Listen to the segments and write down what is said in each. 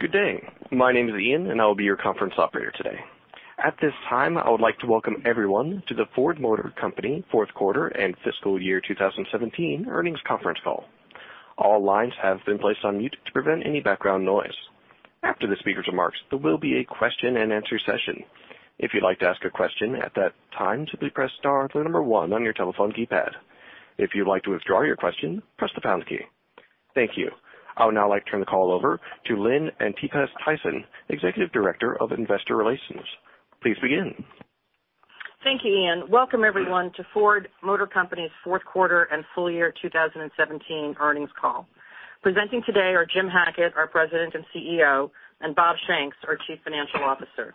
Good day. My name is Ian. I will be your conference operator today. At this time, I would like to welcome everyone to the Ford Motor Company fourth quarter and fiscal year 2017 earnings conference call. All lines have been placed on mute to prevent any background noise. After the speaker's remarks, there will be a question and answer session. If you'd like to ask a question at that time, simply press star plus the number 1 on your telephone keypad. If you'd like to withdraw your question, press the pound key. Thank you. I would now like to turn the call over to Lynn Antipas Tyson, Executive Director of Investor Relations. Please begin. Thank you, Ian. Welcome, everyone, to Ford Motor Company's fourth quarter and full year 2017 earnings call. Presenting today are Jim Hackett, our President and CEO, and Bob Shanks, our Chief Financial Officer.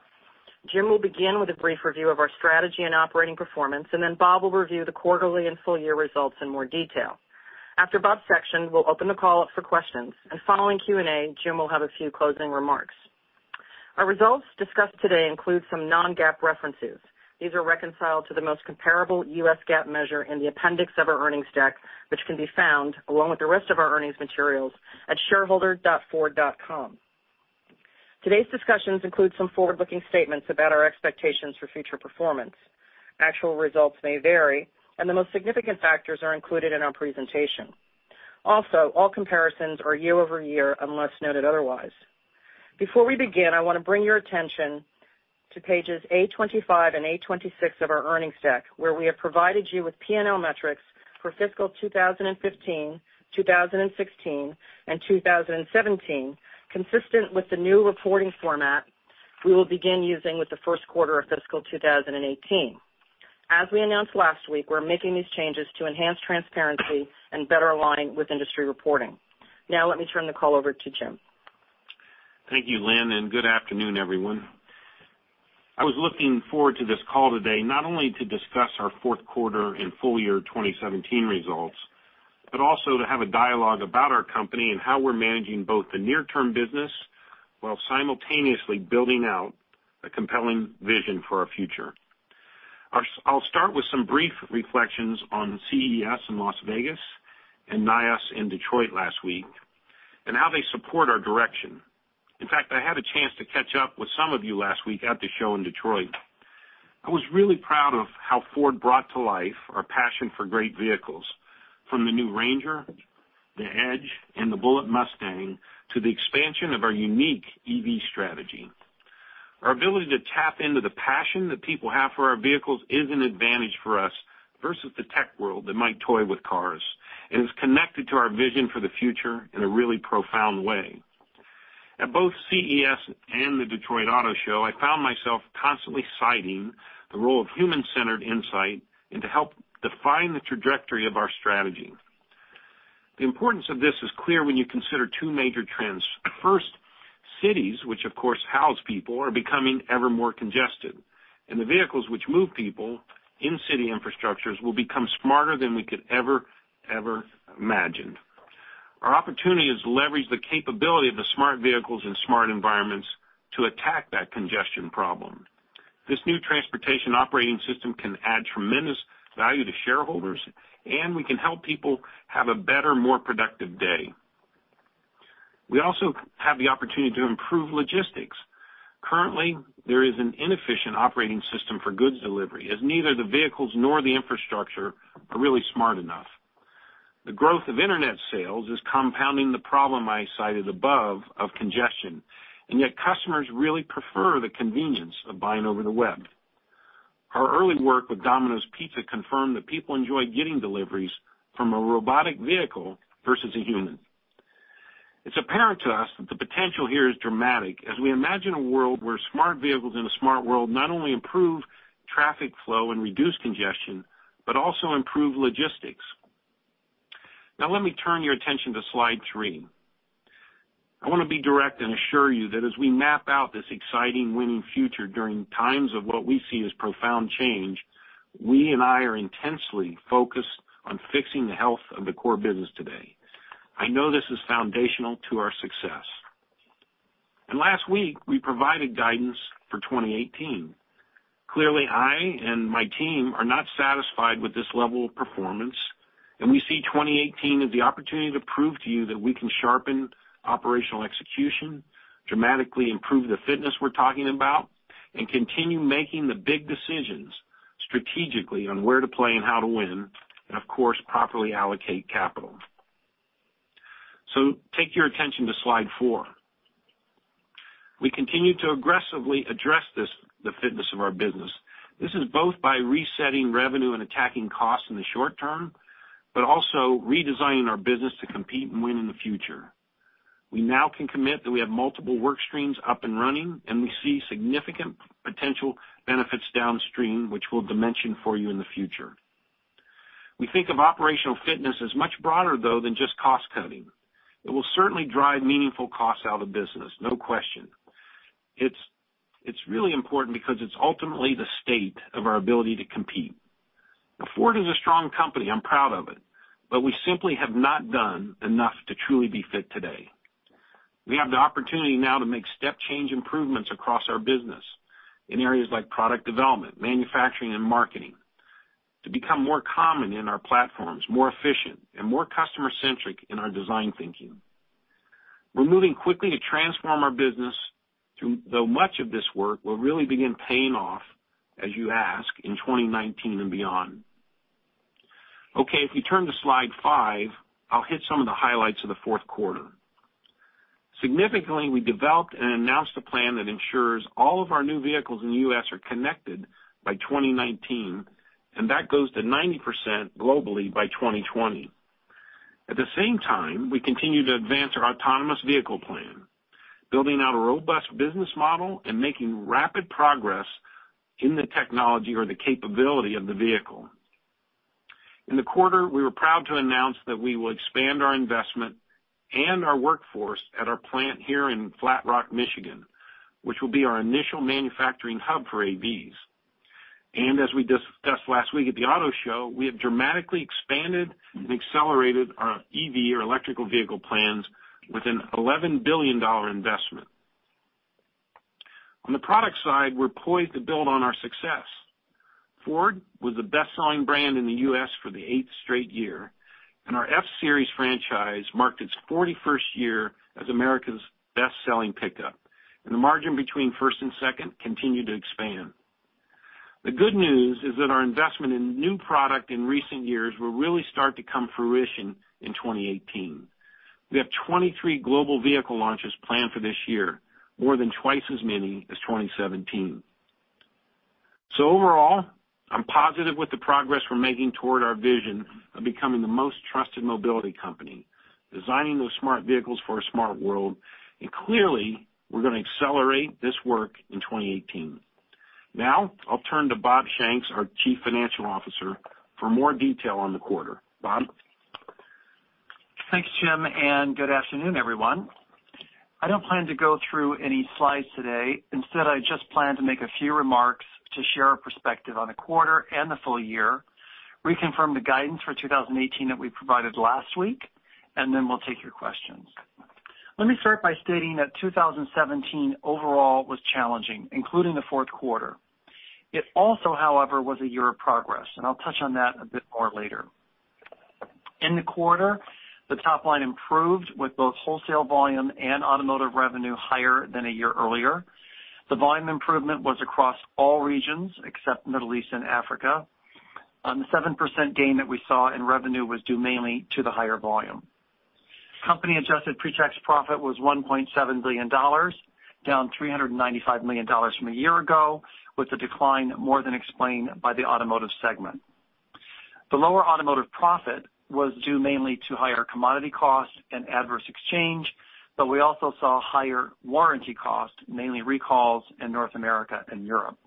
Jim will begin with a brief review of our strategy and operating performance. Bob will review the quarterly and full year results in more detail. After Bob's section, we'll open the call up for questions. Following Q&A, Jim will have a few closing remarks. Our results discussed today include some non-GAAP references. These are reconciled to the most comparable US GAAP measure in the appendix of our earnings deck, which can be found, along with the rest of our earnings materials, at shareholder.ford.com. Today's discussions include some forward-looking statements about our expectations for future performance. Actual results may vary. The most significant factors are included in our presentation. All comparisons are year-over-year, unless noted otherwise. Before we begin, I want to bring your attention to pages A25 and A26 of our earnings deck, where we have provided you with P&L metrics for fiscal 2015, 2016, and 2017, consistent with the new reporting format we will begin using with the first quarter of fiscal 2018. As we announced last week, we're making these changes to enhance transparency and better align with industry reporting. Let me turn the call over to Jim. Thank you, Lynn. Good afternoon, everyone. I was looking forward to this call today, not only to discuss our fourth quarter and full year 2017 results, but also to have a dialogue about our company and how we're managing both the near-term business while simultaneously building out a compelling vision for our future. I'll start with some brief reflections on CES in Las Vegas and NAIAS in Detroit last week and how they support our direction. In fact, I had a chance to catch up with some of you last week at the show in Detroit. I was really proud of how Ford brought to life our passion for great vehicles, from the new Ranger, the Edge, and the Mustang Bullitt to the expansion of our unique EV strategy. Our ability to tap into the passion that people have for our vehicles is an advantage for us versus the tech world that might toy with cars and is connected to our vision for the future in a really profound way. At both CES and the Detroit Auto Show, I found myself constantly citing the role of human-centered insight and to help define the trajectory of our strategy. The importance of this is clear when you consider two major trends. First, cities, which of course house people, are becoming ever more congested, and the vehicles which move people in city infrastructures will become smarter than we could ever imagine. Our opportunity is to leverage the capability of the smart vehicles and smart environments to attack that congestion problem. This new transportation operating system can add tremendous value to shareholders. We can help people have a better, more productive day. We also have the opportunity to improve logistics. Currently, there is an inefficient operating system for goods delivery, as neither the vehicles nor the infrastructure are really smart enough. The growth of internet sales is compounding the problem I cited above of congestion, yet customers really prefer the convenience of buying over the web. Our early work with Domino's Pizza confirmed that people enjoy getting deliveries from a robotic vehicle versus a human. It's apparent to us that the potential here is dramatic as we imagine a world where smart vehicles in a smart world not only improve traffic flow and reduce congestion, but also improve logistics. Let me turn your attention to slide three. I want to be direct and assure you that as we map out this exciting winning future during times of what we see as profound change, we and I are intensely focused on fixing the health of the core business today. I know this is foundational to our success. Last week, we provided guidance for 2018. Clearly, I and my team are not satisfied with this level of performance. We see 2018 as the opportunity to prove to you that we can sharpen operational execution, dramatically improve the fitness we're talking about, continue making the big decisions strategically on where to play and how to win, and of course, properly allocate capital. Take your attention to slide four. We continue to aggressively address this, the fitness of our business. This is both by resetting revenue and attacking costs in the short term, also redesigning our business to compete and win in the future. We now can commit that we have multiple work streams up and running. We see significant potential benefits downstream, which we'll dimension for you in the future. We think of operational fitness as much broader, though, than just cost-cutting. It will certainly drive meaningful costs out of business, no question. It's really important because it's ultimately the state of our ability to compete. Ford is a strong company. I'm proud of it. We simply have not done enough to truly be fit today. We have the opportunity now to make step change improvements across our business in areas like product development, manufacturing, and marketing. To become more common in our platforms, more efficient, and more customer-centric in our design thinking. We're moving quickly to transform our business, though much of this work will really begin paying off, as you ask, in 2019 and beyond. If you turn to slide five, I'll hit some of the highlights of the fourth quarter. Significantly, we developed and announced a plan that ensures all of our new vehicles in the U.S. are connected by 2019, and that goes to 90% globally by 2020. At the same time, we continue to advance our autonomous vehicle plan, building out a robust business model and making rapid progress in the technology or the capability of the vehicle. In the quarter, we were proud to announce that we will expand our investment and our workforce at our plant here in Flat Rock, Michigan, which will be our initial manufacturing hub for AVs. As we discussed last week at the Auto Show, we have dramatically expanded and accelerated our EV or electric vehicle plans with an $11 billion investment. On the product side, we're poised to build on our success. Ford was the best-selling brand in the U.S. for the eighth straight year, and our F-Series franchise marked its 41st year as America's best-selling pickup, and the margin between first and second continued to expand. The good news is that our investment in new product in recent years will really start to come to fruition in 2018. We have 23 global vehicle launches planned for this year, more than twice as many as 2017. Overall, I'm positive with the progress we're making toward our vision of becoming the most trusted mobility company, designing those smart vehicles for a smart world. Clearly, we're gonna accelerate this work in 2018. I'll turn to Bob Shanks, our chief financial officer, for more detail on the quarter. Bob? Thanks, Jim, and good afternoon, everyone. I don't plan to go through any slides today. Instead, I just plan to make a few remarks to share our perspective on the quarter and the full year, reconfirm the guidance for 2018 that we provided last week, and then we'll take your questions. Let me start by stating that 2017 overall was challenging, including the fourth quarter. It also, however, was a year of progress, and I'll touch on that a bit more later. In the quarter, the top line improved with both wholesale volume and automotive revenue higher than a year earlier. The volume improvement was across all regions except Middle East and Africa. The 7% gain that we saw in revenue was due mainly to the higher volume. Company adjusted pre-tax profit was $1.7 billion, down $395 million from a year ago, with the decline more than explained by the automotive segment. The lower automotive profit was due mainly to higher commodity costs and adverse exchange, but we also saw higher warranty costs, mainly recalls in North America and Europe.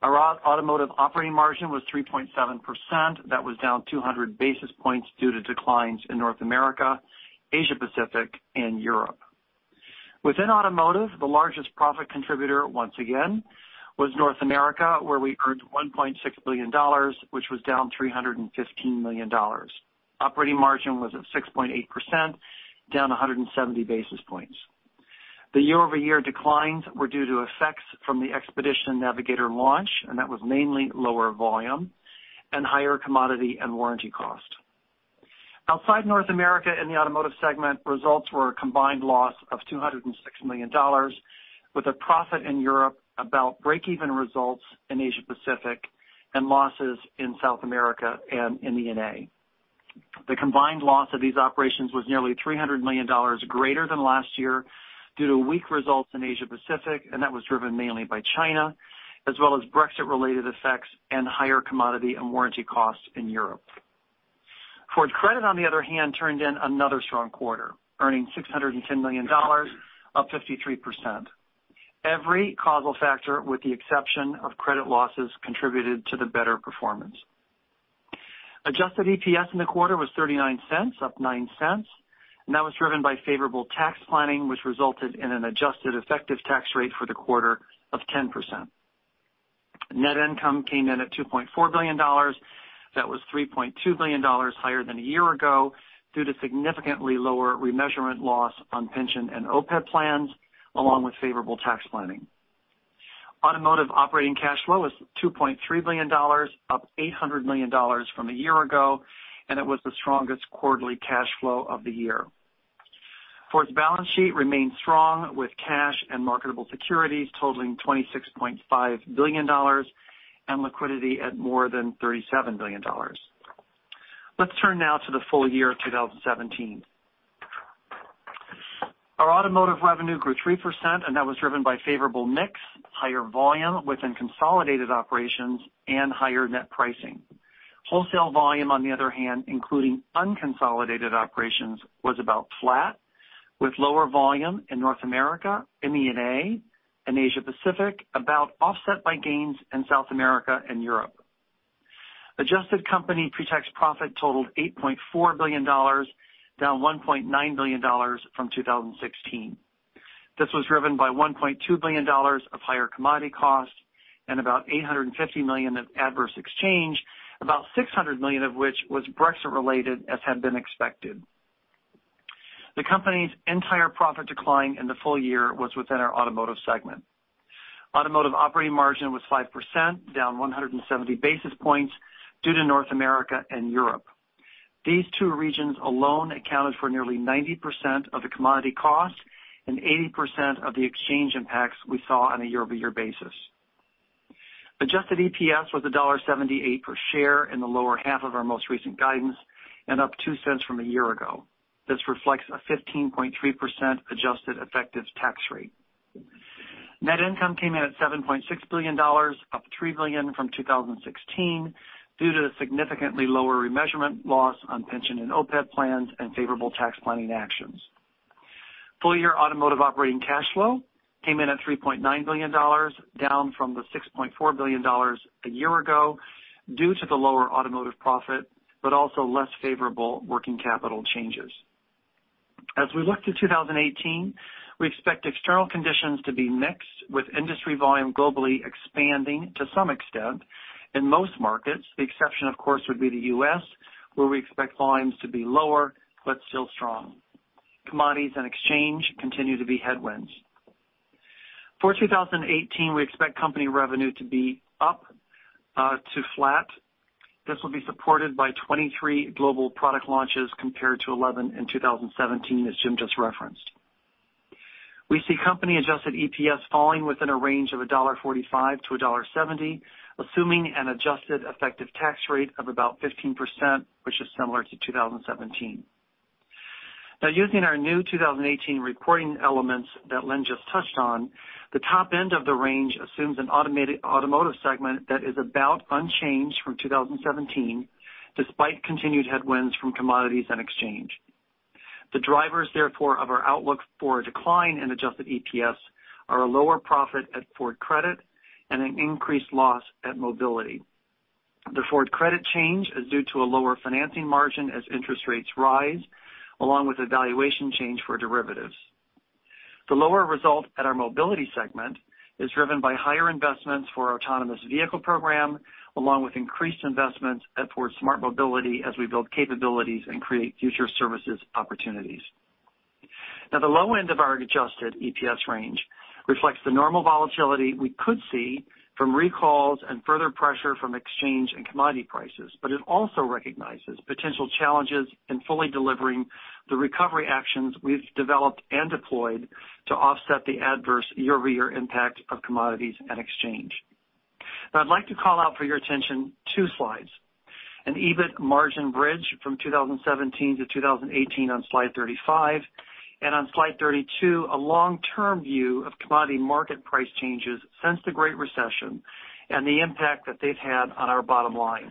Our automotive operating margin was 3.7%. That was down 200 basis points due to declines in North America, Asia Pacific, and Europe. Within automotive, the largest profit contributor, once again, was North America, where we earned $1.6 billion, which was down $315 million. Operating margin was at 6.8%, down 170 basis points. The year-over-year declines were due to effects from the Expedition Navigator launch, and that was mainly lower volume and higher commodity and warranty cost. Outside North America in the automotive segment, results were a combined loss of $206 million, with a profit in Europe, about break-even results in Asia Pacific, and losses in South America and MENA. The combined loss of these operations was nearly $300 million greater than last year due to weak results in Asia Pacific, and that was driven mainly by China, as well as Brexit-related effects and higher commodity and warranty costs in Europe. Ford Credit, on the other hand, turned in another strong quarter, earning $610 million, up 53%. Every causal factor, with the exception of credit losses, contributed to the better performance. Adjusted EPS in the quarter was $0.39, up $0.09, and that was driven by favorable tax planning, which resulted in an adjusted effective tax rate for the quarter of 10%. Net income came in at $2.4 billion. That was $3.2 billion higher than a year ago due to significantly lower remeasurement loss on pension and OPEB plans, along with favorable tax planning. Automotive operating cash flow was $2.3 billion, up $800 million from a year ago, and it was the strongest quarterly cash flow of the year. Ford's balance sheet remains strong with cash and marketable securities totaling $26.5 billion and liquidity at more than $37 billion. Let's turn now to the full year of 2017. Our automotive revenue grew 3%, and that was driven by favorable mix, higher volume within consolidated operations, and higher net pricing. Wholesale volume, on the other hand, including unconsolidated operations, was about flat with lower volume in North America, MENA, and Asia Pacific about offset by gains in South America and Europe. Adjusted company pre-tax profit totaled $8.4 billion, down $1.9 billion from 2016. This was driven by $1.2 billion of higher commodity costs and about $850 million of adverse exchange, about $600 million of which was Brexit-related, as had been expected. The company's entire profit decline in the full year was within our automotive segment. Automotive operating margin was 5%, down 170 basis points due to North America and Europe. These two regions alone accounted for nearly 90% of the commodity costs and 80% of the exchange impacts we saw on a year-over-year basis. Adjusted EPS was $1.78 per share in the lower half of our most recent guidance and up $0.02 from a year ago. This reflects a 15.3% adjusted effective tax rate. Net income came in at $7.6 billion, up $3 billion from 2016 due to the significantly lower remeasurement loss on pension and OPEB plans and favorable tax planning actions. Full-year automotive operating cash flow came in at $3.9 billion, down from the $6.4 billion a year ago due to the lower automotive profit, also less favorable working capital changes. As we look to 2018, we expect external conditions to be mixed, with industry volume globally expanding to some extent in most markets. The exception, of course, would be the U.S., where we expect volumes to be lower, but still strong. Commodities and exchange continue to be headwinds. For 2018, we expect company revenue to be up to flat. This will be supported by 23 global product launches compared to 11 in 2017, as Jim just referenced. We see company-adjusted EPS falling within a range of $1.45 to $1.70, assuming an adjusted effective tax rate of about 15%, which is similar to 2017. Using our new 2018 reporting elements that Lynn just touched on, the top end of the range assumes an automotive segment that is about unchanged from 2017, despite continued headwinds from commodities and exchange. The drivers, therefore, of our outlook for a decline in adjusted EPS are a lower profit at Ford Credit and an increased loss at Mobility. The Ford Credit change is due to a lower financing margin as interest rates rise, along with a valuation change for derivatives. The lower result at our Mobility segment is driven by higher investments for our autonomous vehicle program, along with increased investments at Ford Smart Mobility as we build capabilities and create future services opportunities. The low end of our adjusted EPS range reflects the normal volatility we could see from recalls and further pressure from exchange and commodity prices, it also recognizes potential challenges in fully delivering the recovery actions we've developed and deployed to offset the adverse year-over-year impact of commodities and exchange. I'd like to call out for your attention two slides, an EBIT margin bridge from 2017 to 2018 on slide 35, on slide 32, a long-term view of commodity market price changes since the Great Recession and the impact that they've had on our bottom line.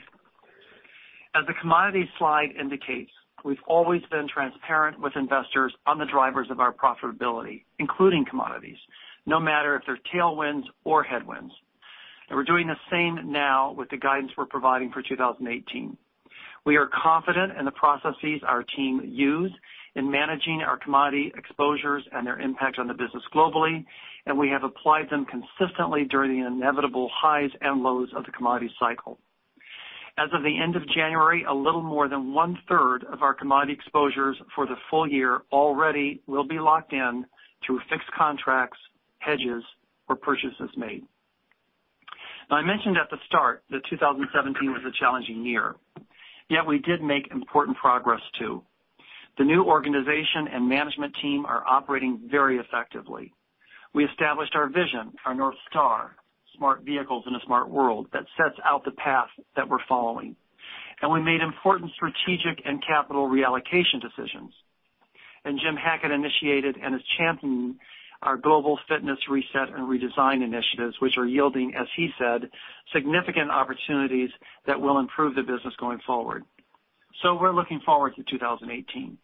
As the commodity slide indicates, we've always been transparent with investors on the drivers of our profitability, including commodities, no matter if they're tailwinds or headwinds. We're doing the same now with the guidance we're providing for 2018. We are confident in the processes our team used in managing our commodity exposures and their impact on the business globally, we have applied them consistently during the inevitable highs and lows of the commodity cycle. As of the end of January, a little more than one-third of our commodity exposures for the full year already will be locked in through fixed contracts, hedges, or purchases made. I mentioned at the start that 2017 was a challenging year. We did make important progress, too. The new organization and management team are operating very effectively. We established our vision, our North Star, smart vehicles in a smart world, that sets out the path that we're following. We made important strategic and capital reallocation decisions. Jim Hackett initiated and is championing our global fitness reset and redesign initiatives, which are yielding, as he said, significant opportunities that will improve the business going forward. We're looking forward to 2018.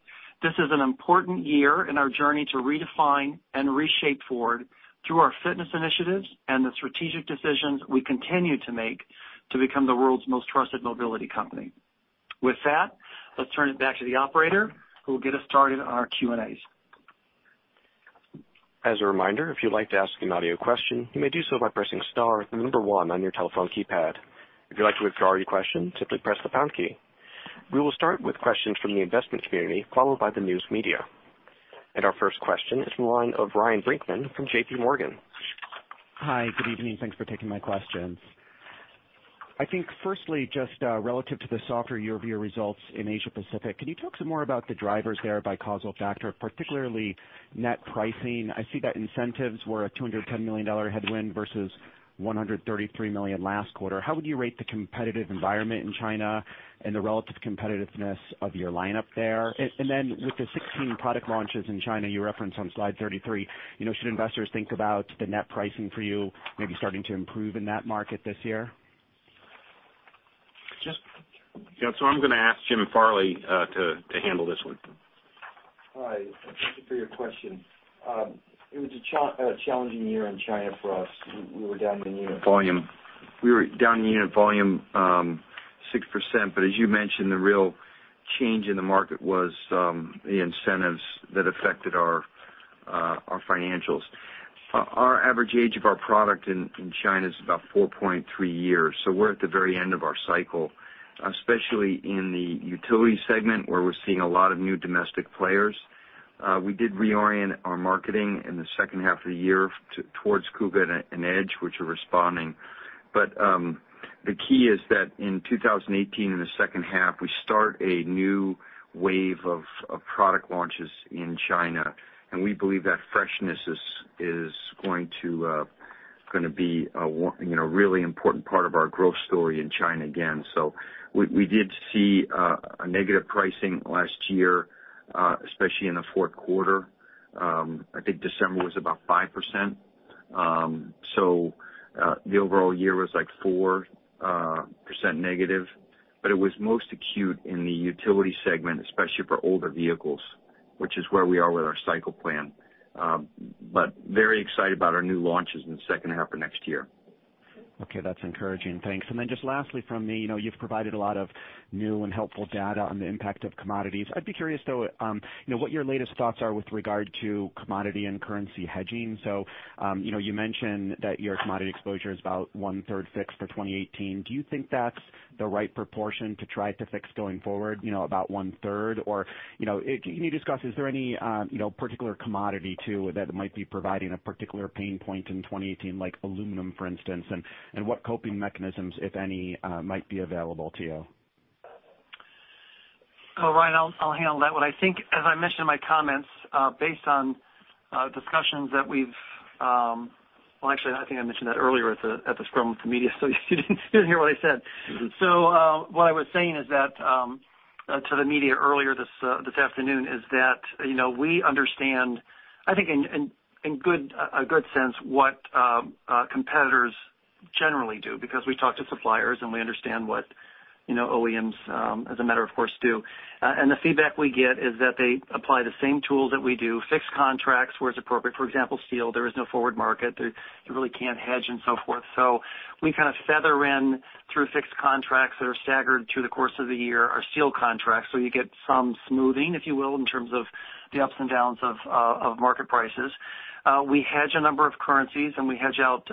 This is an important year in our journey to redefine and reshape Ford through our fitness initiatives and the strategic decisions we continue to make to become the world's most trusted mobility company. With that, let's turn it back to the operator who will get us started on our Q&As. As a reminder, if you'd like to ask an audio question, you may do so by pressing star then the number 1 on your telephone keypad. If you'd like to withdraw your question, simply press the pound key. We will start with questions from the investment community, followed by the news media. Our first question is from the line of Ryan Brinkman from JPMorgan. Hi, good evening. Thanks for taking my questions. I think firstly, just relative to the softer year-over-year results in Asia Pacific, can you talk some more about the drivers there by causal factor, particularly net pricing? I see that incentives were a $210 million headwind versus $133 million last quarter. How would you rate the competitive environment in China and the relative competitiveness of your lineup there? Then with the 16 product launches in China you referenced on slide 33, should investors think about the net pricing for you maybe starting to improve in that market this year? I'm gonna ask Jim Farley to handle this one. Hi, thank you for your question. It was a challenging year in China for us. We were down in unit volume 6%. As you mentioned, the real change in the market was the incentives that affected our financials. Our average age of our product in China is about 4.3 years. We're at the very end of our cycle, especially in the utility segment where we're seeing a lot of new domestic players. We did reorient our marketing in the second half of the year towards Kuga and Edge, which are responding. The key is that in 2018, in the second half, we start a new wave of product launches in China, and we believe that freshness is going to be a really important part of our growth story in China again. We did see a negative pricing last year, especially in the fourth quarter. I think December was about 5%. The overall year was like 4% negative. It was most acute in the utility segment, especially for older vehicles, which is where we are with our cycle plan. Very excited about our new launches in the second half of next year. Okay, that's encouraging. Thanks. Just lastly from me, you've provided a lot of new and helpful data on the impact of commodities. I'd be curious though, what your latest thoughts are with regard to commodity and currency hedging. You mentioned that your commodity exposure is about one-third fixed for 2018. Do you think that's the right proportion to try to fix going forward, about one-third? Can you discuss, is there any particular commodity too, that might be providing a particular pain point in 2018, like aluminum, for instance, and what coping mechanisms, if any, might be available to you? Oh, Ryan, I'll handle that one. I think, as I mentioned in my comments, based on discussions that actually, I think I mentioned that earlier at the scrum with the media. You didn't hear what I said. What I was saying to the media earlier this afternoon is that we understand, I think in a good sense, what competitors generally do, because we talk to suppliers and we understand what OEMs, as a matter of course, do. The feedback we get is that they apply the same tools that we do, fixed contracts where it's appropriate. For example, steel, there is no forward market. You really can't hedge and so forth. We kind of feather in through fixed contracts that are staggered through the course of the year, our steel contracts. You get some smoothing, if you will, in terms of the ups and downs of market prices. We hedge a number of currencies and we hedge out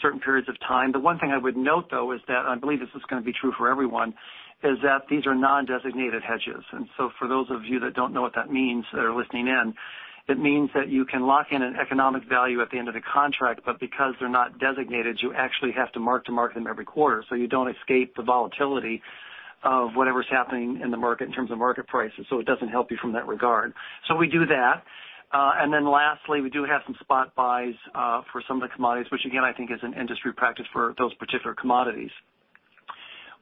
certain periods of time. The one thing I would note, though, is that I believe this is going to be true for everyone, is that these are non-designated hedges. For those of you that don't know what that means that are listening in, it means that you can lock in an economic value at the end of a contract, but because they're not designated, you actually have to mark to market them every quarter. You don't escape the volatility of whatever's happening in the market in terms of market prices. It doesn't help you from that regard. We do that. Lastly, we do have some spot buys for some of the commodities, which again, I think is an industry practice for those particular commodities.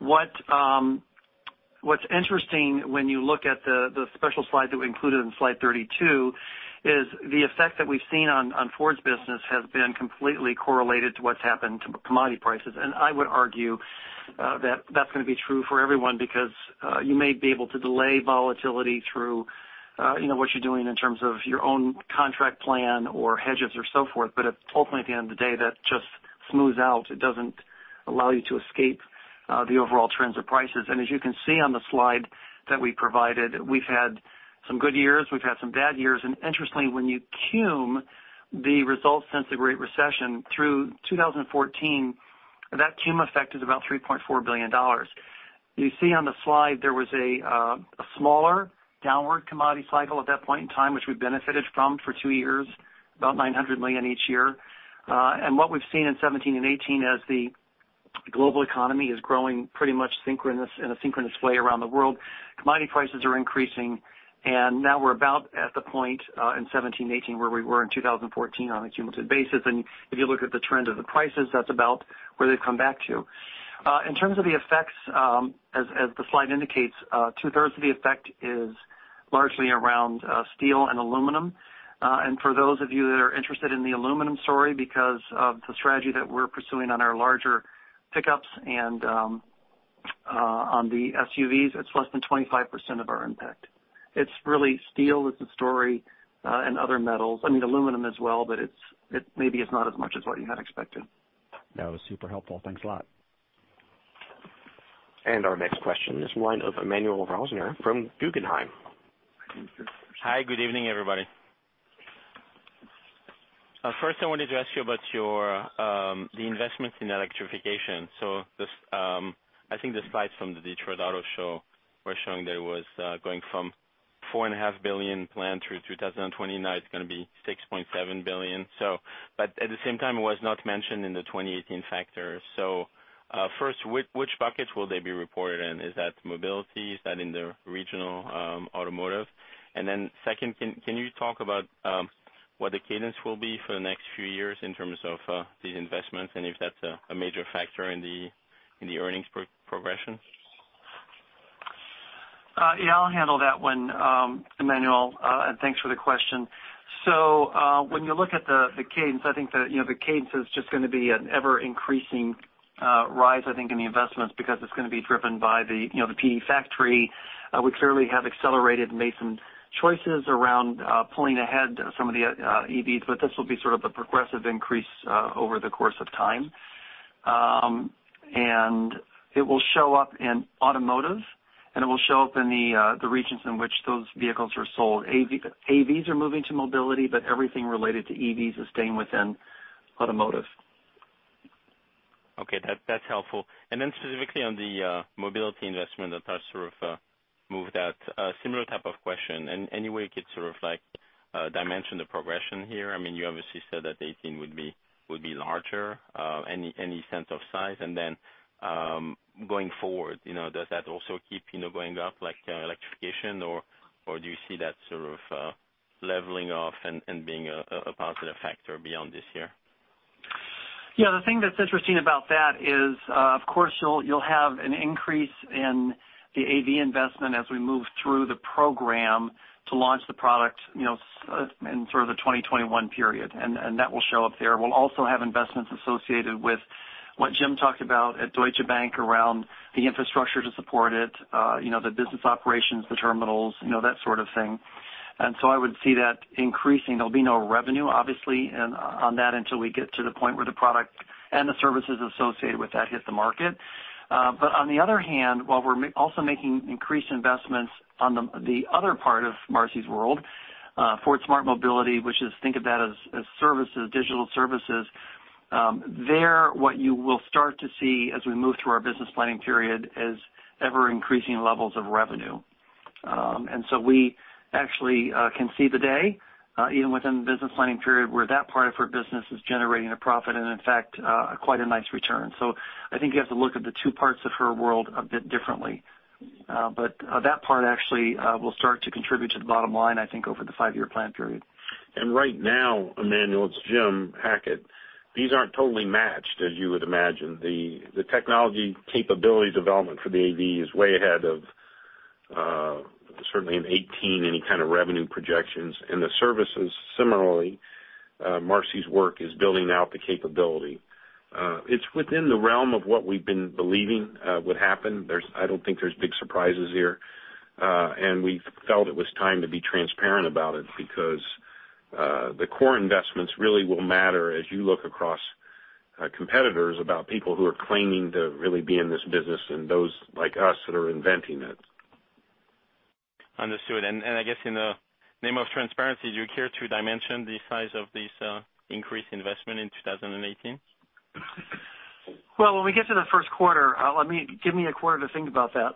What's interesting when you look at the special slide that we included in slide 32 is the effect that we've seen on Ford's business has been completely correlated to what's happened to commodity prices. I would argue that that's going to be true for everyone because you may be able to delay volatility through what you're doing in terms of your own contract plan or hedges or so forth. Ultimately, at the end of the day, that just smooths out. It doesn't allow you to escape the overall trends of prices. As you can see on the slide that we provided, we've had some good years, we've had some bad years. Interestingly, when you cum the results since the Great Recession through 2014, that cum effect is about $3.4 billion. You see on the slide there was a smaller downward commodity cycle at that point in time, which we benefited from for two years, about $900 million each year. What we've seen in 2017 and 2018 as the global economy is growing pretty much in a synchronous way around the world, commodity prices are increasing. Now we're about at the point in 2017, 2018, where we were in 2014 on a cumulative basis. If you look at the trend of the prices, that's about where they've come back to. In terms of the effects, as the slide indicates, two-thirds of the effect is largely around steel and aluminum. For those of you that are interested in the aluminum story, because of the strategy that we're pursuing on our larger pickups and on the SUVs, it's less than 25% of our impact. It's really steel that's the story, and other metals. I mean, aluminum as well, but maybe it's not as much as what you had expected. That was super helpful. Thanks a lot. Our next question is the line of Emmanuel Rosner from Guggenheim. Hi, good evening, everybody. First I wanted to ask you about the investments in electrification. I think the slides from the Detroit Auto Show were showing that it was going from $four and a half billion plan through 2020. Now it's going to be $6.7 billion. At the same time, it was not mentioned in the 2018 factors. First, which buckets will they be reported in? Is that mobility? Is that in the regional automotive? Second, can you talk about what the cadence will be for the next few years in terms of these investments and if that's a major factor in the earnings progression? I'll handle that one, Emmanuel, and thanks for the question. When you look at the cadence, I think that the cadence is just going to be an ever-increasing rise, I think, in the investments because it's going to be driven by the PE factory. We clearly have accelerated and made some choices around pulling ahead some of the EVs, but this will be sort of a progressive increase over the course of time. It will show up in automotive, and it will show up in the regions in which those vehicles are sold. AVs are moving to mobility, but everything related to EVs is staying within automotive. Okay. That's helpful. Specifically on the mobility investment that has sort of moved that. Similar type of question. Any way you could sort of dimension the progression here? You obviously said that 2018 would be larger. Any sense of size? Going forward, does that also keep going up like electrification, or do you see that sort of leveling off and being a positive factor beyond this year? Yeah, the thing that's interesting about that is of course you'll have an increase in the AV investment as we move through the program to launch the product in sort of the 2021 period. That will show up there. We'll also have investments associated with what Jim talked about at Deutsche Bank, around the infrastructure to support it, the business operations, the terminals, that sort of thing. I would see that increasing. There'll be no revenue, obviously, on that until we get to the point where the product and the services associated with that hit the market. On the other hand, while we're also making increased investments on the other part of Marcy's world, Ford Smart Mobility, which is, think of that as services, digital services. There, what you will start to see as we move through our business planning period, is ever-increasing levels of revenue. We actually can see the day, even within the business planning period, where that part of her business is generating a profit and in fact quite a nice return. I think you have to look at the two parts of her world a bit differently. That part actually will start to contribute to the bottom line, I think, over the five-year plan period. Right now, Emmanuel, it's Jim Hackett. These aren't totally matched, as you would imagine. The technology capability development for the AV is way ahead of, certainly in 2018, any kind of revenue projections. The services, similarly, Marcy's work is building out the capability. It's within the realm of what we've been believing would happen. I don't think there's big surprises here. We felt it was time to be transparent about it because the core investments really will matter as you look across competitors about people who are claiming to really be in this business, and those like us that are inventing it. Understood. I guess in the name of transparency, do you care to dimension the size of this increased investment in 2018? When we get to the first quarter, give me a quarter to think about that.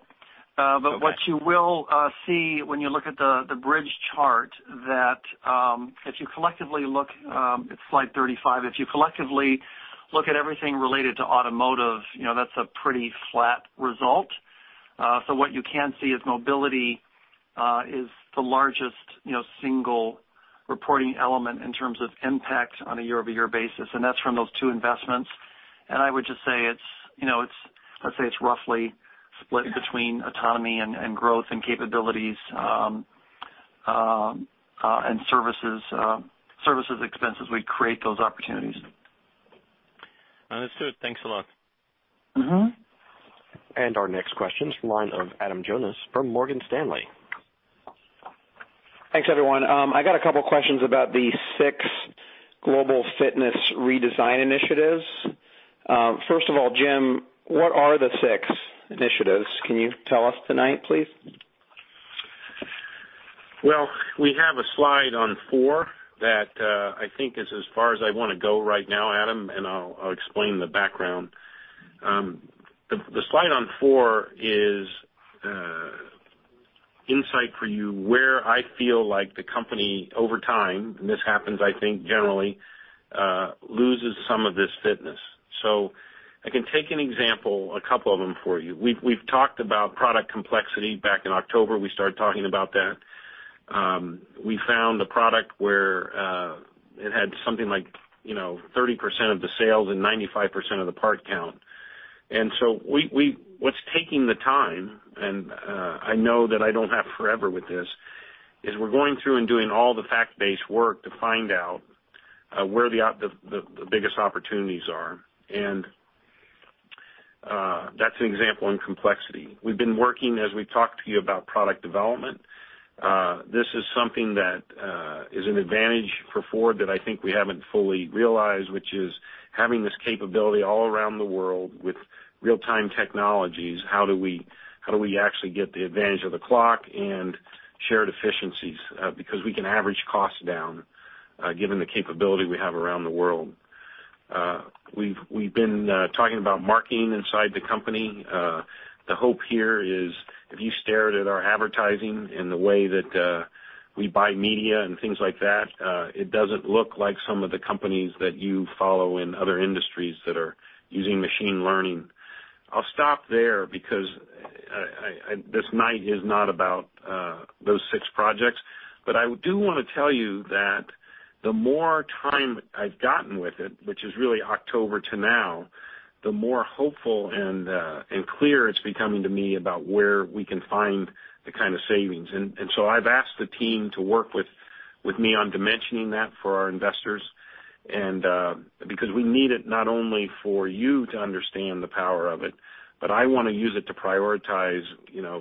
Okay. What you will see when you look at the bridge chart, that if you collectively look, it's slide 35, if you collectively look at everything related to automotive, that's a pretty flat result. What you can see is mobility is the largest single reporting element in terms of impact on a year-over-year basis, and that's from those two investments. I would just say it's roughly split between autonomy and growth and capabilities, and services expenses. We create those opportunities. Understood. Thanks a lot. Our next question is from the line of Adam Jonas from Morgan Stanley. Thanks, everyone. I got a couple questions about the six global fitness redesign initiatives. First of all, Jim, what are the six initiatives? Can you tell us tonight, please? We have a slide on four that I think is as far as I want to go right now, Adam, I'll explain the background. The slide on four is insight for you where I feel like the company over time, and this happens, I think, generally, loses some of this fitness. I can take an example, a couple of them for you. We've talked about product complexity. Back in October, we started talking about that. We found a product where it had something like 30% of the sales and 95% of the part count. What's taking the time, and I know that I don't have forever with this, is we're going through and doing all the fact-based work to find out where the biggest opportunities are. That's an example in complexity. We've been working, as we've talked to you about product development. This is something that is an advantage for Ford that I think we haven't fully realized, which is having this capability all around the world with real-time technologies. How do we actually get the advantage of the clock and shared efficiencies? We can average costs down given the capability we have around the world. We've been talking about marketing inside the company. The hope here is if you stared at our advertising and the way that we buy media and things like that, it doesn't look like some of the companies that you follow in other industries that are using machine learning. I'll stop there because this night is not about those six projects. I do want to tell you that the more time I've gotten with it, which is really October to now, the more hopeful and clear it's becoming to me about where we can find the kind of savings. I've asked the team to work with me on dimensioning that for our investors. We need it not only for you to understand the power of it, but I want to use it to prioritize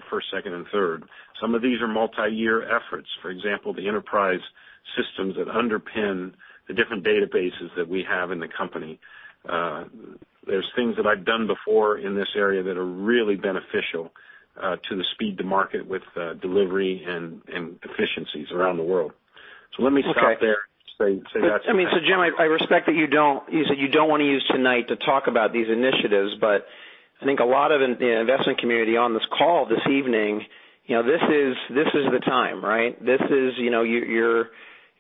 first, second, and third. Some of these are multi-year efforts. For example, the enterprise systems that underpin the different databases that we have in the company. There's things that I've done before in this area that are really beneficial to the speed to market with delivery and efficiencies around the world. Let me stop there and say that. Jim, I respect that you said you don't want to use tonight to talk about these initiatives, I think a lot of investment community on this call this evening, this is the time, right?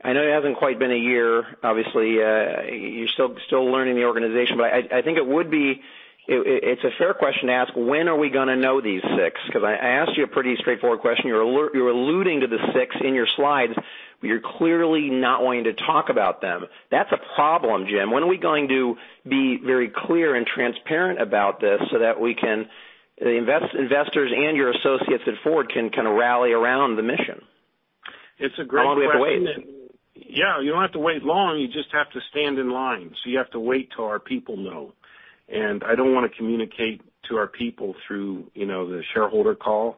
I know it hasn't quite been a year, obviously. You're still learning the organization, I think it's a fair question to ask, when are we going to know these six? I asked you a pretty straightforward question. You're alluding to the six in your slides, you're clearly not wanting to talk about them. That's a problem, Jim. When are we going to be very clear and transparent about this so that investors and your associates at Ford can rally around the mission? It's a great question. Do we have to wait? You don't have to wait long. You just have to stand in line. You have to wait till our people know, and I don't want to communicate to our people through the shareholder call.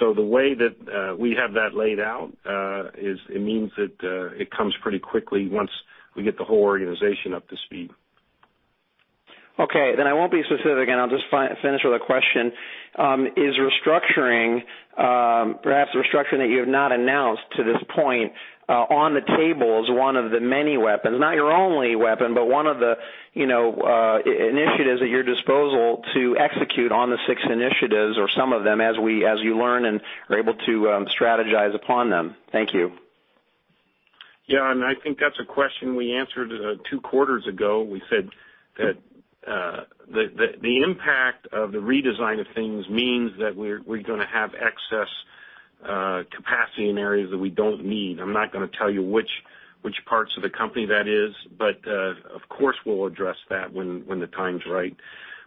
The way that we have that laid out, it means that it comes pretty quickly once we get the whole organization up to speed. I won't be specific and I'll just finish with a question. Is restructuring, perhaps restructuring that you have not announced to this point, on the table as one of the many weapons, not your only weapon, but one of the initiatives at your disposal to execute on the six initiatives or some of them as you learn and are able to strategize upon them? Thank you. I think that's a question we answered two quarters ago. We said that the impact of the redesign of things means that we're going to have excess capacity in areas that we don't need. I'm not going to tell you which parts of the company that is, of course, we'll address that when the time's right.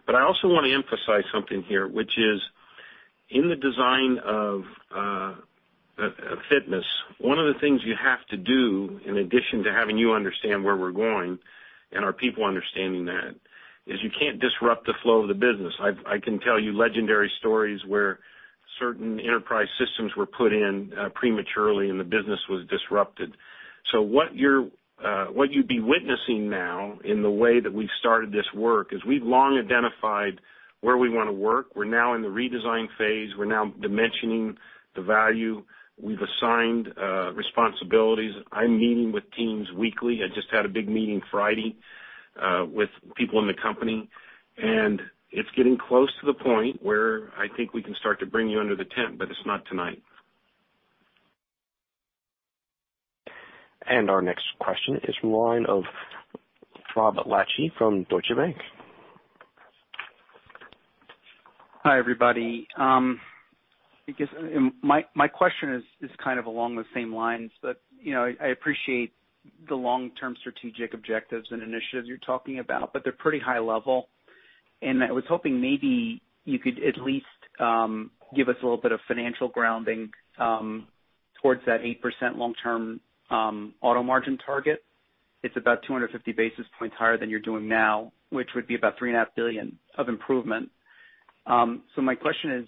I also want to emphasize something here, which is in the design of fitness, one of the things you have to do, in addition to having you understand where we're going and our people understanding that, is you can't disrupt the flow of the business. I can tell you legendary stories where certain enterprise systems were put in prematurely and the business was disrupted. What you'd be witnessing now in the way that we've started this work is we've long identified where we want to work. We're now in the redesign phase. We're now dimensioning the value. We've assigned responsibilities. I'm meeting with teams weekly. I just had a big meeting Friday with people in the company, it's getting close to the point where I think we can start to bring you under the tent, it's not tonight. Our next question is from the line of Rod Lache from Deutsche Bank. Hi, everybody. My question is kind of along the same lines, I appreciate the long-term strategic objectives and initiatives you're talking about, they're pretty high level. I was hoping maybe you could at least give us a little bit of financial grounding towards that 8% long-term auto margin target. It's about 250 basis points higher than you're doing now, which would be about $3.5 billion of improvement. My question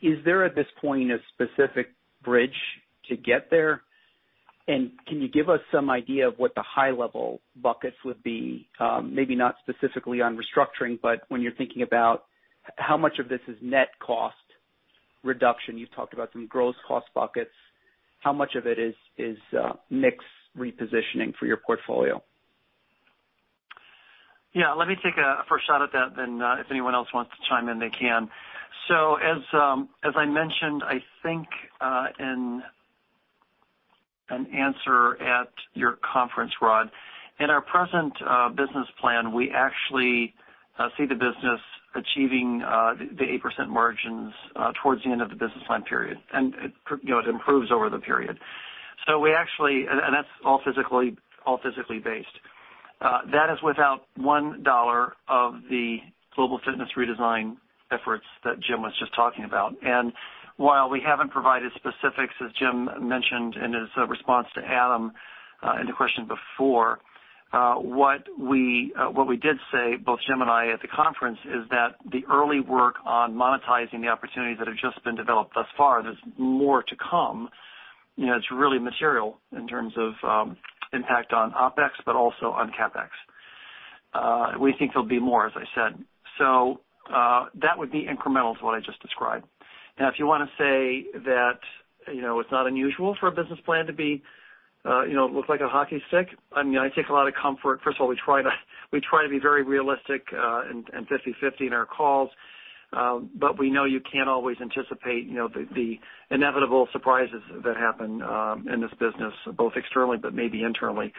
is there, at this point, a specific bridge to get there? Can you give us some idea of what the high-level buckets would be? Maybe not specifically on restructuring, but when you're thinking about how much of this is net cost reduction. You've talked about some gross cost buckets. How much of it is mix repositioning for your portfolio? Yeah, let me take a first shot at that, then if anyone else wants to chime in, they can. As I mentioned, I think, in an answer at your conference, Rod. In our present business plan, we actually see the business achieving the 8% margins towards the end of the business plan period. It improves over the period. That's all physically based. That is without $1 of the global fitness redesign efforts that Jim was just talking about. While we haven't provided specifics, as Jim mentioned in his response to Adam in the question before, what we did say, both Jim and I at the conference, is that the early work on monetizing the opportunities that have just been developed thus far, there's more to come. It's really material in terms of impact on OpEx, also on CapEx. We think there'll be more, as I said. That would be incremental to what I just described. If you want to say that it's not unusual for a business plan to look like a hockey stick, I take a lot of comfort. First of all, we try to be very realistic and 50/50 in our calls. We know you can't always anticipate the inevitable surprises that happen in this business, both externally but maybe internally.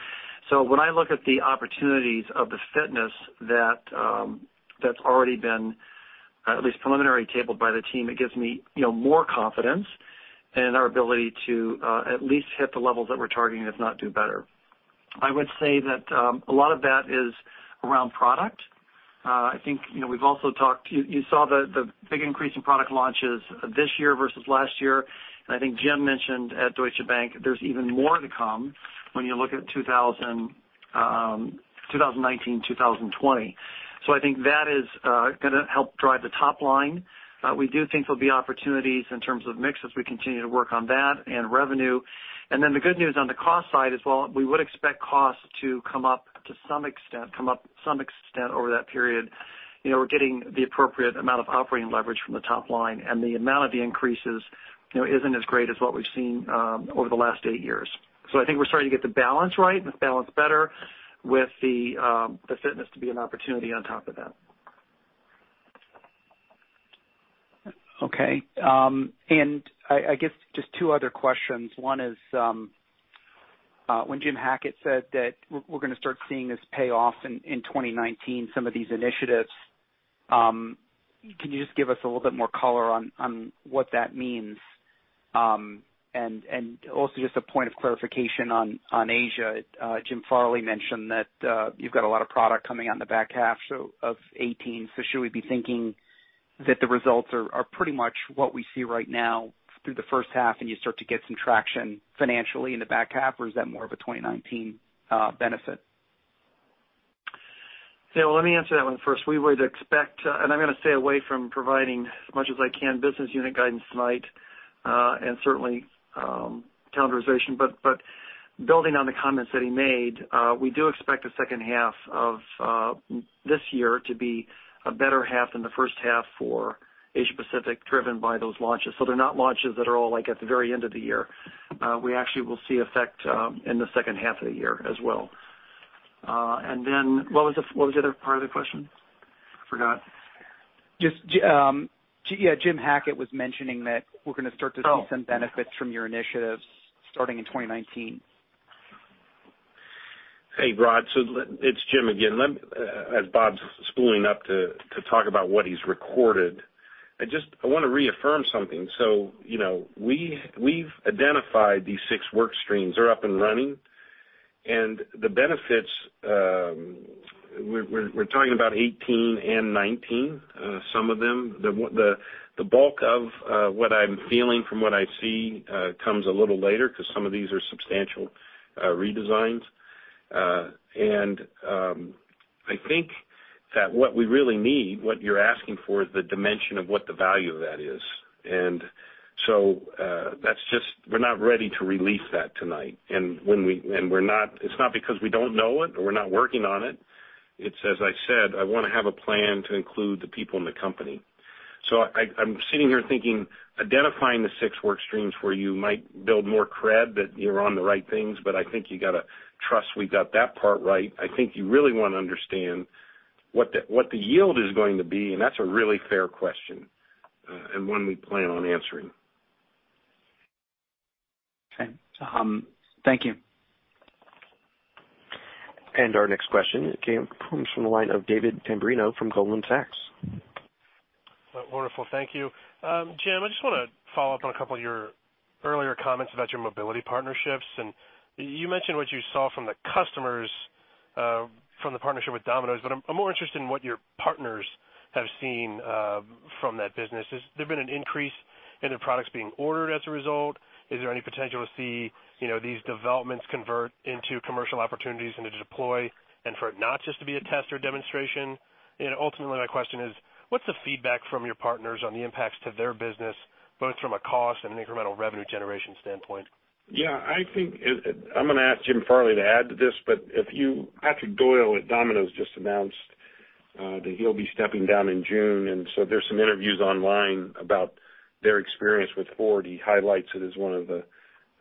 When I look at the opportunities of the fitness that's already been at least preliminarily tabled by the team, it gives me more confidence in our ability to at least hit the levels that we're targeting, if not do better. I would say that a lot of that is around product. You saw the big increase in product launches this year versus last year. I think Jim mentioned at Deutsche Bank, there's even more to come when you look at 2019, 2020. I think that is going to help drive the top line. We do think there'll be opportunities in terms of mix as we continue to work on that and revenue. The good news on the cost side as well, we would expect costs to come up to some extent over that period. We're getting the appropriate amount of operating leverage from the top line. The amount of the increases isn't as great as what we've seen over the last eight years. I think we're starting to get the balance right, and the balance better with the fitness to be an opportunity on top of that. Okay. I guess just two other questions. One is, when Jim Hackett said that we're going to start seeing this pay off in 2019, some of these initiatives, can you just give us a little bit more color on what that means? Also just a point of clarification on Asia. Jim Farley mentioned that you've got a lot of product coming out in the back half of 2018. Should we be thinking that the results are pretty much what we see right now through the first half and you start to get some traction financially in the back half? Or is that more of a 2019 benefit? Yeah, let me answer that one first. We would expect, I'm going to stay away from providing as much as I can business unit guidance tonight, and certainly calendarization. Building on the comments that he made, we do expect the second half of this year to be a better half than the first half for Asia Pacific, driven by those launches. They're not launches that are all at the very end of the year. We actually will see effect in the second half of the year as well. What was the other part of the question? I forgot. Just, Jim Hackett was mentioning that we're going to start to see some benefits from your initiatives starting in 2019. Hey, Rod, it's Jim again. As Bob's spooling up to talk about what he's recorded, I want to reaffirm something. We've identified these six work streams. They're up and running. The benefits, we're talking about 2018 and 2019, some of them. The bulk of what I'm feeling from what I see comes a little later because some of these are substantial redesigns. I think that what we really need, what you're asking for, is the dimension of what the value of that is. We're not ready to release that tonight. It's not because we don't know it or we're not working on it. It's as I said, I want to have a plan to include the people in the company. I'm sitting here thinking, identifying the six work streams for you might build more cred that you're on the right things, but I think you got to trust we've got that part right. I think you really want to understand what the yield is going to be, and that's a really fair question, and one we plan on answering. Okay. Thank you. Our next question comes from the line of David Tamberrino from Goldman Sachs. Wonderful. Thank you. Jim, I just want to follow up on a couple of your earlier comments about your mobility partnerships. You mentioned what you saw from the customers from the partnership with Domino's, I'm more interested in what your partners have seen from that business. Has there been an increase in the products being ordered as a result? Is there any potential to see these developments convert into commercial opportunities and to deploy and for it not just to be a test or demonstration? Ultimately, my question is, what's the feedback from your partners on the impacts to their business, both from a cost and an incremental revenue generation standpoint? Yeah, I think I'm going to ask Jim Farley to add to this. Patrick Doyle at Domino's just announced that he'll be stepping down in June, there's some interviews online about their experience with Ford. He highlights it as one of the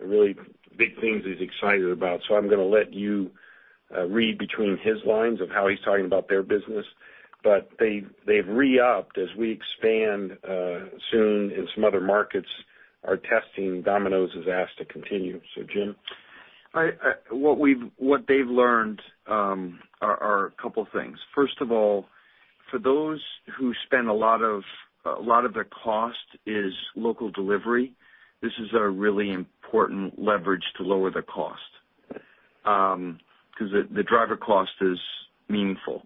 really big things he's excited about. I'm going to let you read between his lines of how he's talking about their business. They've re-upped as we expand soon in some other markets are testing, Domino's has asked to continue. Jim? What they've learned are a couple of things. First of all, for those who spend a lot of their cost is local delivery, this is a really important leverage to lower their cost. Because the driver cost is meaningful.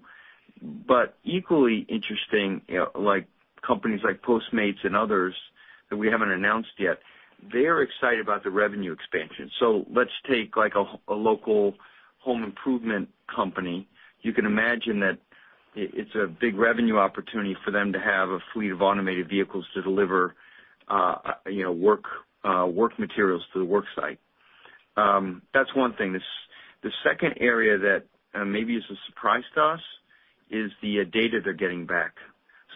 Equally interesting, companies like Postmates and others that we haven't announced yet, they're excited about the revenue expansion. Let's take a local home improvement company. You can imagine that it's a big revenue opportunity for them to have a fleet of automated vehicles to deliver work materials to the work site. That's one thing. The second area that maybe is a surprise to us is the data they're getting back.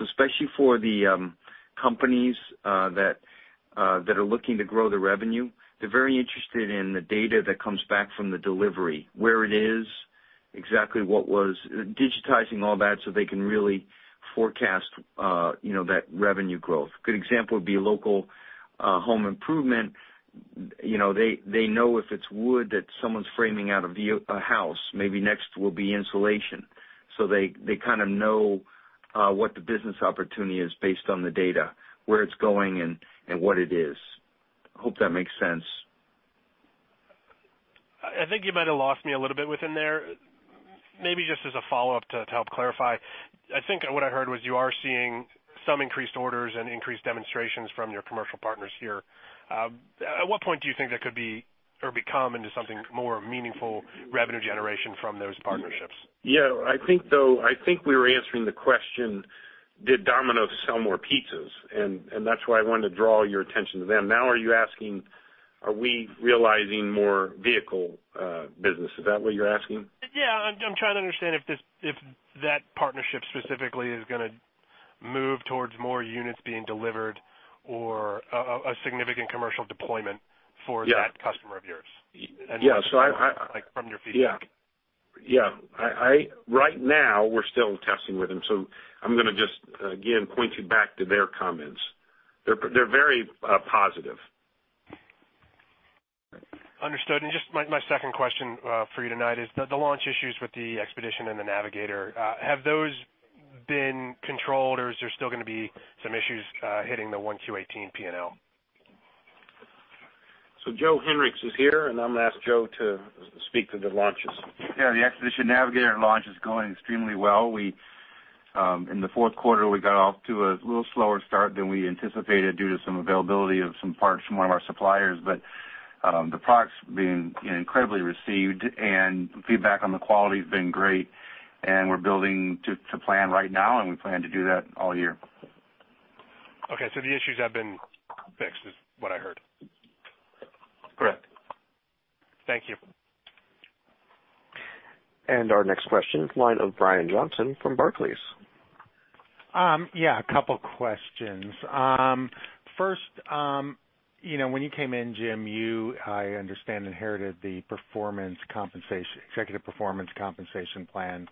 Especially for the companies that are looking to grow their revenue, they're very interested in the data that comes back from the delivery, where it is, exactly what was, digitizing all that so they can really forecast that revenue growth. Good example would be a local home improvement. They know if it's wood that someone's framing out a house, maybe next will be insulation. They kind of know what the business opportunity is based on the data, where it's going and what it is. Hope that makes sense. I think you might have lost me a little bit within there. Maybe just as a follow-up to help clarify. I think what I heard was you are seeing some increased orders and increased demonstrations from your commercial partners here. At what point do you think that could be or become into something more meaningful revenue generation from those partnerships? I think we were answering the question Did Domino's sell more pizzas? That's why I wanted to draw your attention to them. Now, are you asking, are we realizing more vehicle business? Is that what you're asking? I'm trying to understand if that partnership specifically is going to move towards more units being delivered or a significant commercial deployment for that customer of yours. Yeah. From your feedback. Right now, we're still testing with them. I'm going to just, again, point you back to their comments. They're very positive. Understood. Just my second question for you tonight is the launch issues with the Expedition and the Navigator. Have those been controlled, or is there still going to be some issues hitting the 1Q 2018 P&L? Joe Hinrichs is here, and I'm going to ask Joe to speak to the launches. Yeah, the Expedition Navigator launch is going extremely well. In the fourth quarter, we got off to a little slower start than we anticipated due to some availability of some parts from one of our suppliers. The product's been incredibly received and feedback on the quality has been great, and we're building to plan right now, and we plan to do that all year. Okay. The issues have been fixed, is what I heard. Correct. Thank you. Our next question is line of Brian Johnson from Barclays. A couple questions. First, when you came in, Jim, you, I understand, inherited the executive performance compensation plan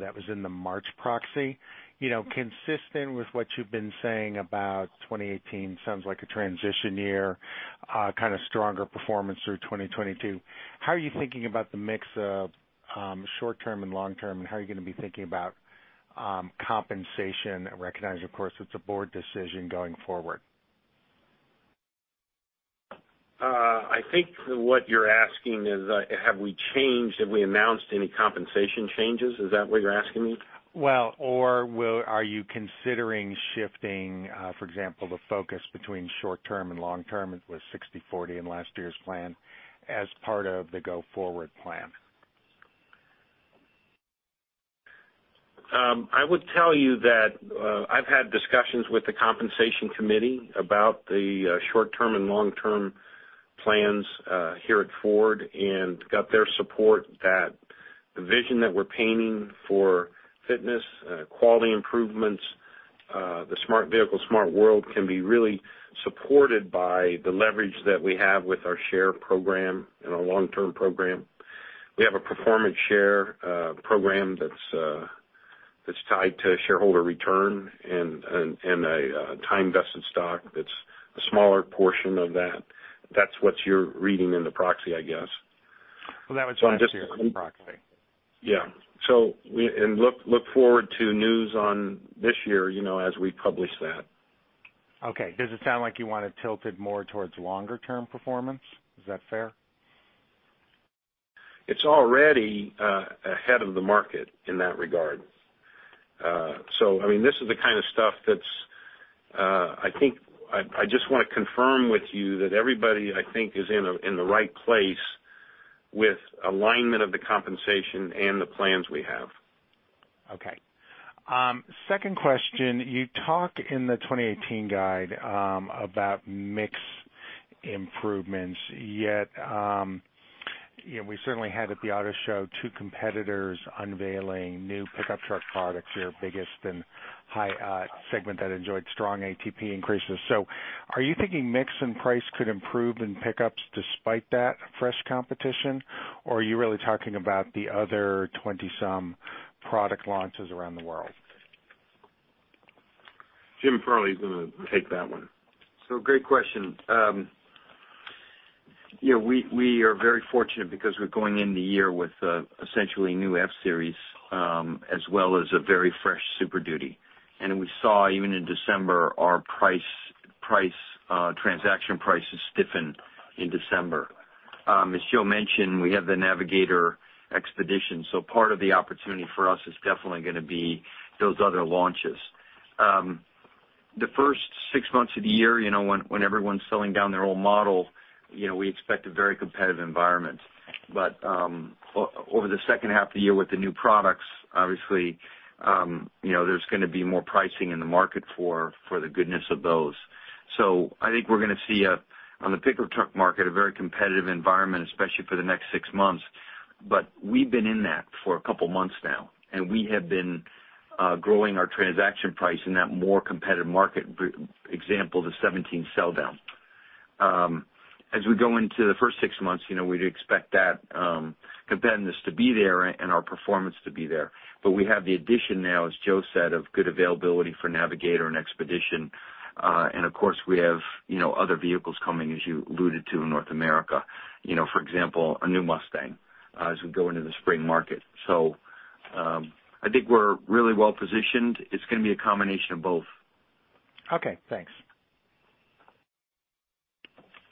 that was in the March proxy. Consistent with what you've been saying about 2018 sounds like a transition year, kind of stronger performance through 2022. How are you thinking about the mix of short-term and long-term, and how are you going to be thinking about compensation? I recognize, of course, it's a board decision going forward. I think what you're asking is have we announced any compensation changes? Is that what you're asking me? Are you considering shifting, for example, the focus between short-term and long-term, it was 60/40 in last year's plan, as part of the go-forward plan. I would tell you that I've had discussions with the compensation committee about the short-term and long-term plans here at Ford and got their support that the vision that we're painting for fitness, quality improvements, the Smart Vehicle, Smart World, can be really supported by the leverage that we have with our share program and our long-term program. We have a performance share program that's tied to shareholder return and a time-vested stock that's a smaller portion of that. That's what you're reading in the proxy, I guess. Well, that was last year's proxy. Yeah. Look forward to news on this year as we publish that. Okay. Does it sound like you want it tilted more towards longer-term performance? Is that fair? It's already ahead of the market in that regard. This is the kind of stuff that's, I think, I just want to confirm with you that everybody, I think, is in the right place with alignment of the compensation and the plans we have. Okay. Second question, you talk in the 2018 guide about mix improvements, yet we certainly had at the auto show two competitors unveiling new pickup truck products, your biggest and high segment that enjoyed strong ATP increases. Are you thinking mix and price could improve in pickups despite that fresh competition? Are you really talking about the other 20-some product launches around the world? Jim Farley is going to take that one. Great question. We are very fortunate because we're going in the year with essentially new F-Series, as well as a very fresh Super Duty. We saw even in December our transaction prices stiffen in December. As Joe mentioned, we have the Navigator, Expedition, so part of the opportunity for us is definitely going to be those other launches. The first six months of the year, when everyone's selling down their old model, we expect a very competitive environment. Over the second half of the year with the new products, obviously, there's going to be more pricing in the market for the goodness of those. I think we're going to see on the pickup truck market a very competitive environment, especially for the next six months. We've been in that for a couple of months now, and we have been growing our transaction price in that more competitive market. Example, the '17 sell-down. As we go into the first six months, we'd expect that competitiveness to be there and our performance to be there. We have the addition now, as Joe said, of good availability for Navigator and Expedition. Of course, we have other vehicles coming, as you alluded to, in North America. For example, a new Mustang as we go into the spring market. I think we're really well positioned. It's going to be a combination of both. Okay, thanks.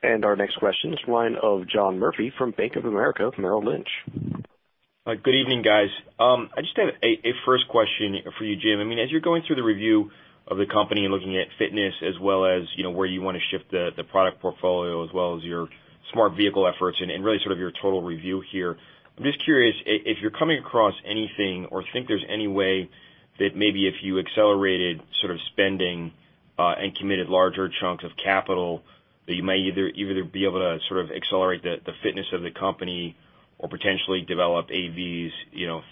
Our next question is the line of John Murphy from Bank of America Merrill Lynch. Good evening, guys. I just have a first question for you, Jim. As you're going through the review Of the company and looking at fitness as well as where you want to shift the product portfolio as well as your smart vehicle efforts and really sort of your total review here. I'm just curious if you're coming across anything or think there's any way that maybe if you accelerated spending, and committed larger chunks of capital, that you might either be able to accelerate the fitness of the company or potentially develop AVs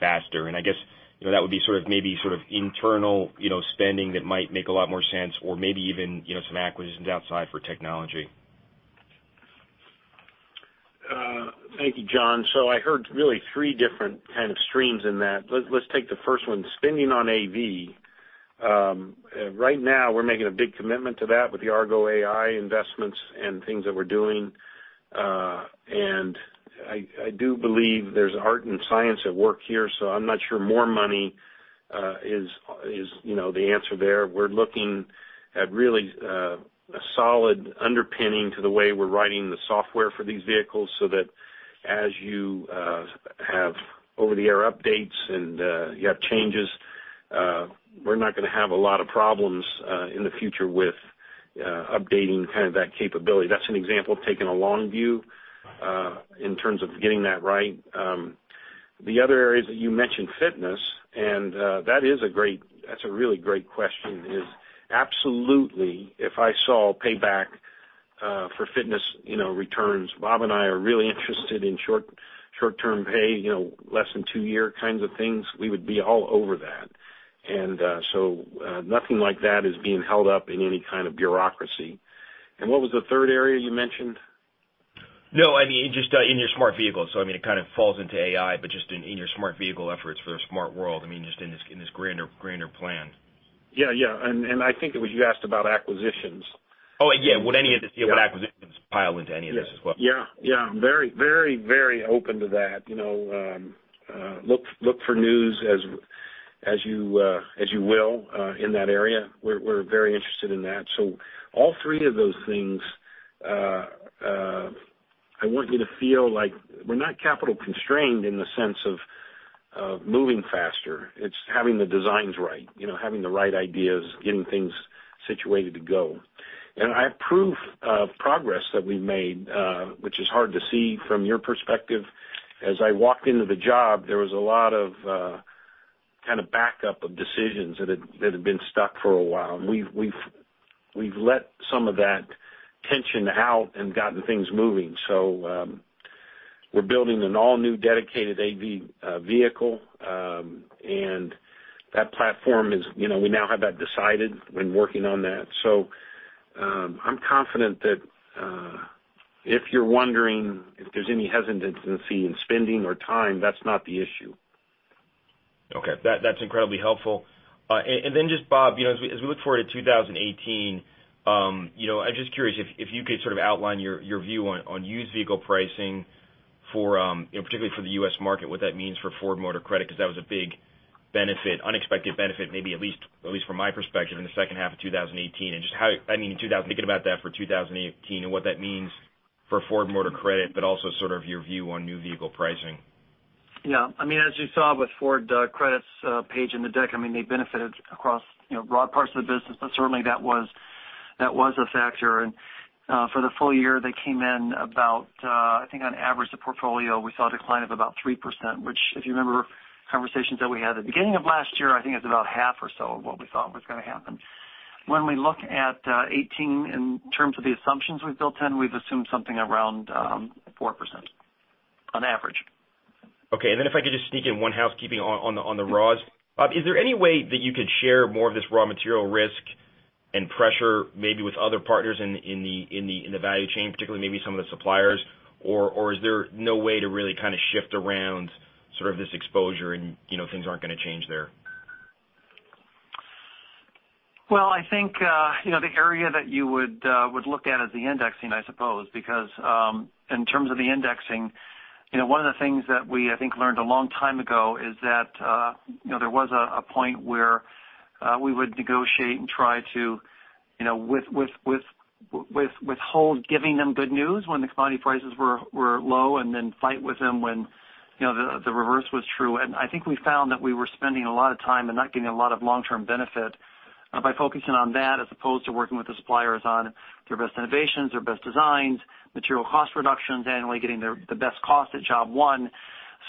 faster. I guess, that would be maybe internal spending that might make a lot more sense or maybe even some acquisitions outside for technology. Thank you, John. I heard really three different kind of streams in that. Let's take the first one, spending on AV. Right now we're making a big commitment to that with the Argo AI investments and things that we're doing. I do believe there's art and science at work here, so I'm not sure more money is the answer there. We're looking at really a solid underpinning to the way we're writing the software for these vehicles so that as you have over-the-air updates and you have changes, we're not going to have a lot of problems in the future with updating that capability. That's an example of taking a long view, in terms of getting that right. The other areas that you mentioned, fitness, and that's a really great question, is absolutely if I saw payback for fitness returns, Bob and I are really interested in short-term pay, less than two-year kinds of things. We would be all over that. Nothing like that is being held up in any kind of bureaucracy. What was the third area you mentioned? No, I mean, just in your smart vehicles. I mean, it kind of falls into AI, but just in your smart vehicle efforts for a smart world. I mean, just in this grander plan. Yeah. I think that you asked about acquisitions. Oh, yeah. Would any of the deal about acquisitions pile into any of this as well? Yeah. Very open to that. Look for news as you will in that area. We're very interested in that. All three of those things, I want you to feel like we're not capital constrained in the sense of moving faster. It's having the designs right. Having the right ideas, getting things situated to go. I have proof of progress that we've made, which is hard to see from your perspective. As I walked into the job, there was a lot of backup of decisions that had been stuck for a while, and we've let some of that tension out and gotten things moving. We're building an all-new dedicated AV vehicle. That platform is, we now have that decided when working on that. I'm confident that, if you're wondering if there's any hesitancy in spending or time, that's not the issue. Okay. That's incredibly helpful. Then just Bob, as we look forward to 2018, I'm just curious if you could sort of outline your view on used vehicle pricing particularly for the U.S. market, what that means for Ford Motor Credit, because that was a big unexpected benefit, maybe at least from my perspective, in the second half of 2018. Thinking about that for 2018 and what that means for Ford Motor Credit, also sort of your view on new vehicle pricing. Yeah. As you saw with Ford Credit's page in the deck, they benefited across broad parts of the business, but certainly that was a factor. For the full year, they came in about, I think on average, the portfolio, we saw a decline of about 3%, which, if you remember conversations that we had at the beginning of last year, I think it's about half or so of what we thought was going to happen. When we look at 2018 in terms of the assumptions we've built in, we've assumed something around 4% on average. Okay. If I could just sneak in one housekeeping on the raws. Bob, is there any way that you could share more of this raw material risk and pressure maybe with other partners in the value chain, particularly maybe some of the suppliers, or is there no way to really kind of shift around this exposure and things aren't going to change there? Well, I think, the area that you would look at is the indexing, I suppose, because in terms of the indexing, one of the things that we, I think, learned a long time ago is that there was a point where we would negotiate and try to withhold giving them good news when the commodity prices were low and then fight with them when the reverse was true. I think we found that we were spending a lot of time and not getting a lot of long-term benefit by focusing on that as opposed to working with the suppliers on their best innovations, their best designs, material cost reductions annually, getting the best cost at job one.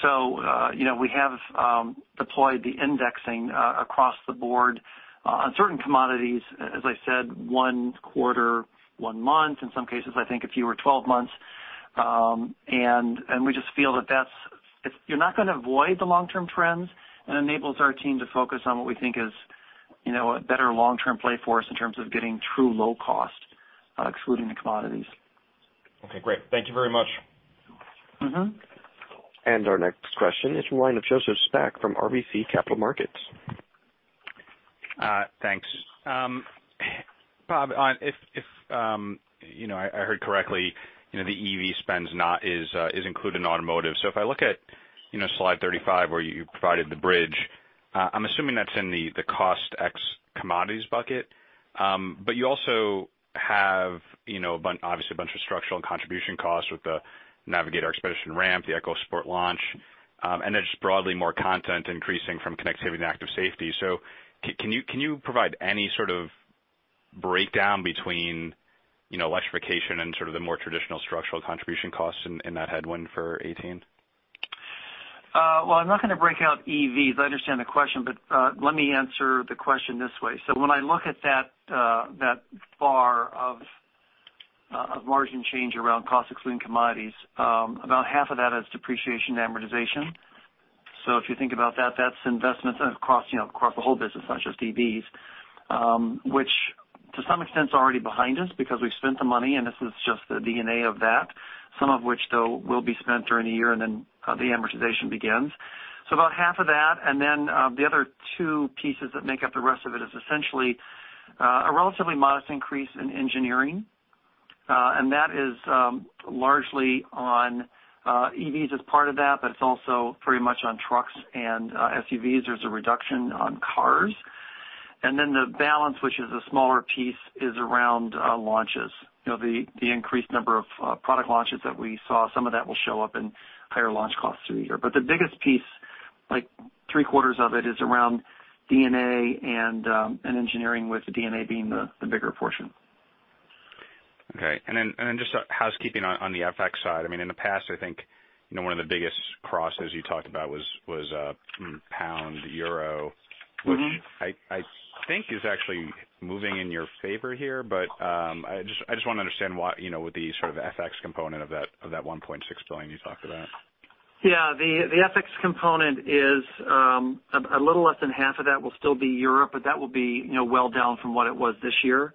We have deployed the indexing across the board on certain commodities, as I said, one quarter, one month, in some cases, I think a fewer 12 months. We just feel that you're not going to avoid the long-term trends. It enables our team to focus on what we think is a better long-term play for us in terms of getting true low cost, excluding the commodities. Okay, great. Thank you very much. Our next question is from the line of Joseph Spak from RBC Capital Markets. Thanks. Bob, if I heard correctly, the EV spend is included in automotive. If I look at slide 35 where you provided the bridge, I'm assuming that's in the cost ex-commodities bucket. You also have, obviously, a bunch of structural and contribution costs with the Navigator Expedition ramp, the EcoSport launch, and then just broadly more content increasing from connectivity and active safety. Can you provide any sort of breakdown between electrification and sort of the more traditional structural contribution costs in that headwind for 2018? Well, I'm not going to break out EVs. I understand the question, but let me answer the question this way. When I look at that bar of margin change around cost excluding commodities, about half of that is depreciation and amortization. If you think about that's investments across the whole business, not just EVs, which to some extent is already behind us because we've spent the money, and this is just the D&A of that. Some of which, though, will be spent during the year and then the amortization begins. About half of that, and then the other two pieces that make up the rest of it is essentially a relatively modest increase in engineering. That is largely on EVs as part of that, but it's also pretty much on trucks and SUVs. There's a reduction on cars. Then the balance, which is a smaller piece, is around launches. The increased number of product launches that we saw, some of that will show up in higher launch costs through the year. The biggest piece, like three-quarters of it, is around D&A and engineering, with the D&A being the bigger portion. Okay. Then just housekeeping on the FX side. In the past, I think one of the biggest crosses you talked about was pound-euro- which I think is actually moving in your favor here. I just want to understand what the sort of FX component of that $1.6 billion you talked about. The FX component is a little less than half of that will still be Europe, that will be well down from what it was this year.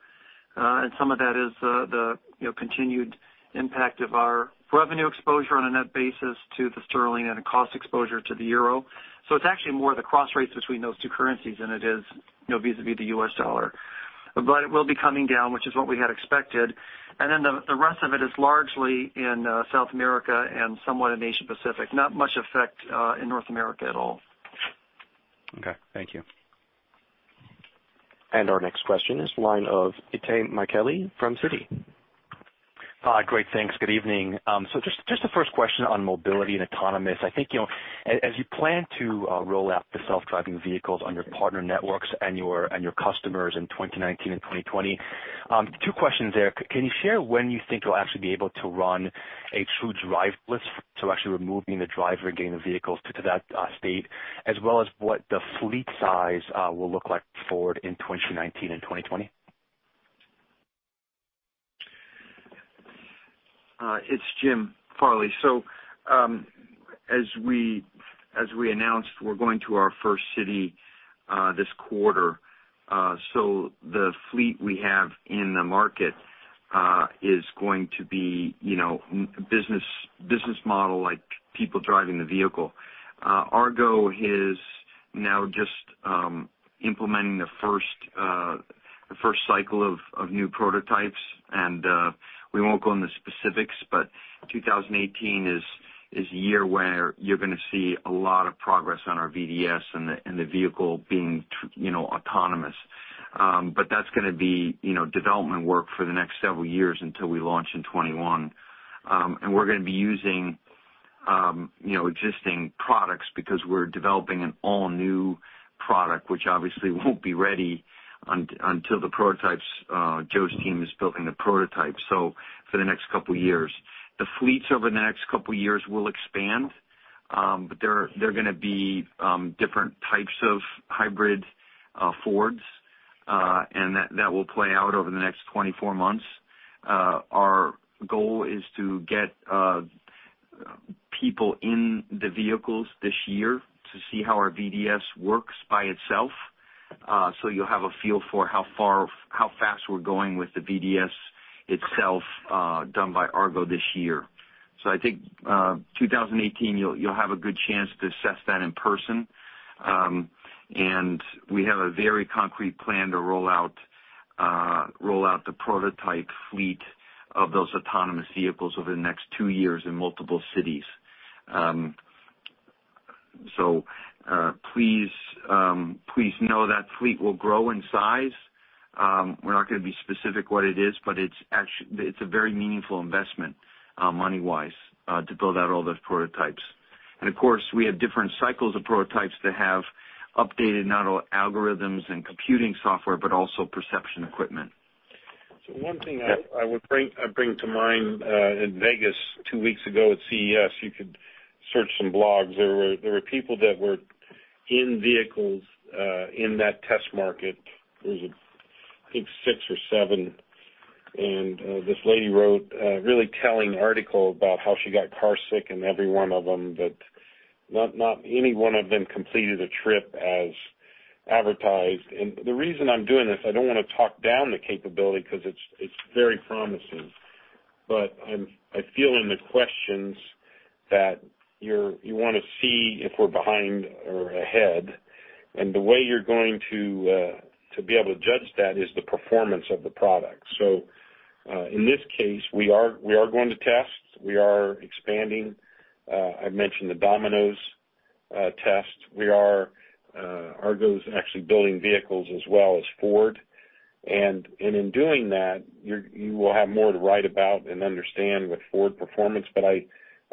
Some of that is the continued impact of our revenue exposure on a net basis to the sterling and a cost exposure to the euro. It's actually more the cross rates between those two currencies than it is vis-a-vis the U.S. dollar. It will be coming down, which is what we had expected. Then the rest of it is largely in South America and somewhat in Asia-Pacific. Not much effect in North America at all. Okay. Thank you. Our next question is line of Itay Michaeli from Citi. Great. Thanks. Good evening. Just the first question on mobility and autonomous. I think as you plan to roll out the self-driving vehicles on your partner networks and your customers in 2019 and 2020, two questions there. Can you share when you think you'll actually be able to run a true driverless, so actually removing the driver and getting the vehicles to that state, as well as what the fleet size will look like for in 2019 and 2020? It's Jim Farley. As we announced, we're going to our first city this quarter. The fleet we have in the market is going to be business model like people driving the vehicle. Argo is now just implementing the first cycle of new prototypes. We won't go into specifics, but 2018 is a year where you're going to see a lot of progress on our VDS and the vehicle being autonomous. That's going to be development work for the next several years until we launch in 2021. We're going to be using existing products because we're developing an all-new product, which obviously won't be ready until Joe's team is building the prototype, so for the next couple of years. The fleets over the next couple of years will expand, but they're going to be different types of hybrid Fords, and that will play out over the next 24 months. Our goal is to get people in the vehicles this year to see how our VDS works by itself. You'll have a feel for how fast we're going with the VDS itself done by Argo this year. I think 2018, you'll have a good chance to assess that in person. We have a very concrete plan to roll out the prototype fleet of those autonomous vehicles over the next two years in multiple cities. Please know that fleet will grow in size. We're not going to be specific what it is, but it's a very meaningful investment, money-wise, to build out all those prototypes. Of course, we have different cycles of prototypes that have updated not only algorithms and computing software, but also perception equipment. One thing I would bring to mind, in Vegas two weeks ago at CES, you could search some blogs. There was, I think, six or seven. This lady wrote a really telling article about how she got car sick in every one of them, that not any one of them completed a trip as advertised. The reason I'm doing this, I don't want to talk down the capability because it's very promising. I feel in the questions that you want to see if we're behind or ahead. The way you're going to be able to judge that is the performance of the product. In this case, we are going to test. We are expanding. I've mentioned the Domino's Test. Argo's actually building vehicles as well as Ford. In doing that, you will have more to write about and understand with Ford performance. I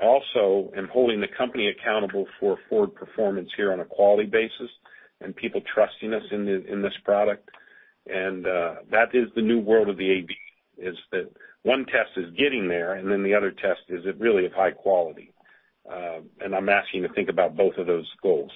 also am holding the company accountable for Ford performance here on a quality basis and people trusting us in this product. That is the new world of the AV. Is that one test is getting there, and then the other test is it really of high quality? I'm asking you to think about both of those goals.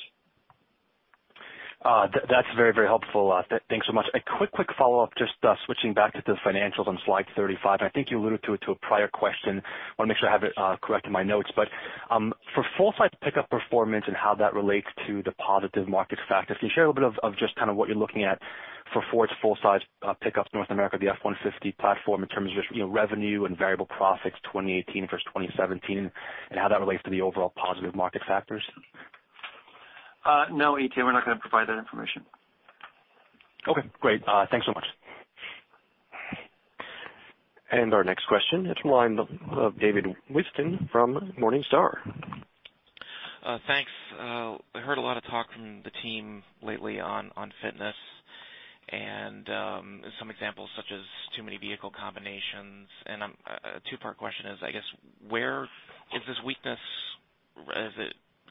That's very helpful. Thanks so much. A quick follow-up, just switching back to the financials on slide 35. I think you alluded to it to a prior question. Want to make sure I have it correct in my notes, for full-size pickup performance and how that relates to the positive market factor, can you share a little bit of just what you're looking at for Ford's full-size pickups North America, the F-150 platform in terms of just revenue and variable profits 2018 versus 2017 and how that relates to the overall positive market factors? No, Itay, we're not going to provide that information. Okay, great. Thanks so much. Our next question is from the line of David Whiston from Morningstar. Thanks. I heard a lot of talk from the team lately on fitness and some examples such as too many vehicle combinations. A two-part question is, I guess, where is this weakness?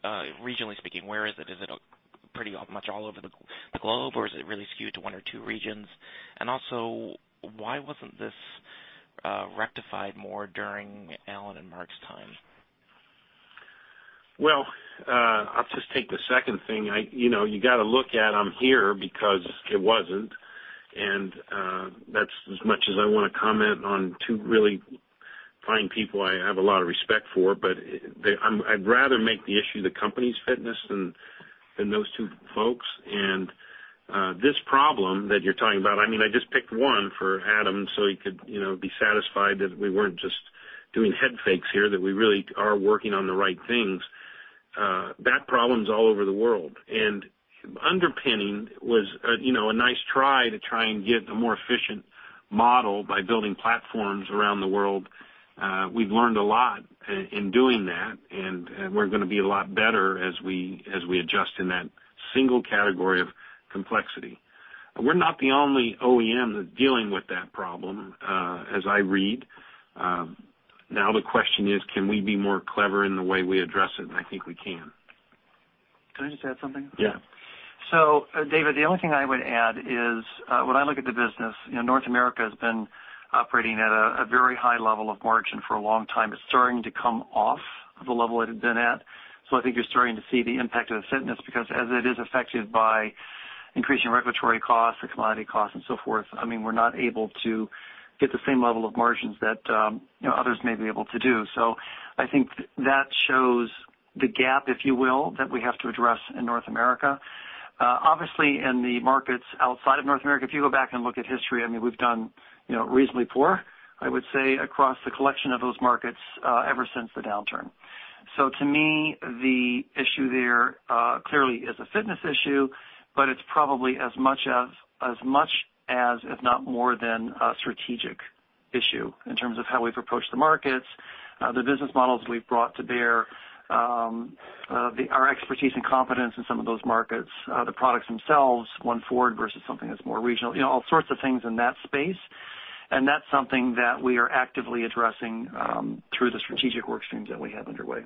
Regionally speaking, where is it? Is it pretty much all over the globe, or is it really skewed to one or two regions? Also, why wasn't this rectified more during Alan and Mark's time? Well, I'll just take the second thing. You got to look at I'm here because it wasn't, and that's as much as I want to comment on two really fine people I have a lot of respect for. I'd rather make the issue the company's fitness than those two folks. This problem that you're talking about, I just picked one for Adam so he could be satisfied that we weren't just doing head fakes here, that we really are working on the right things. That problem's all over the world. Underpinning was a nice try to try and get a more efficient model by building platforms around the world. We've learned a lot in doing that, and we're going to be a lot better as we adjust in that single category of complexity. We're not the only OEM that's dealing with that problem, as I read. Now the question is, can we be more clever in the way we address it? I think we can. Can I just add something? Yeah. David, the only thing I would add is, when I look at the business, North America has been operating at a very high level of margin for a long time. It's starting to come off of the level it had been at. I think you're starting to see the impact of the fitness because as it is affected by increasing regulatory costs or commodity costs and so forth, we're not able to get the same level of margins that others may be able to do. I think that shows the gap, if you will, that we have to address in North America. Obviously, in the markets outside of North America, if you go back and look at history, we've done reasonably poor, I would say, across the collection of those markets ever since the downturn. To me, the issue there clearly is a fitness issue, but it's probably as much as, if not more than a strategic issue in terms of how we've approached the markets, the business models we've brought to bear, our expertise and competence in some of those markets, the products themselves, One Ford versus something that's more regional, all sorts of things in that space. That's something that we are actively addressing through the strategic work streams that we have underway.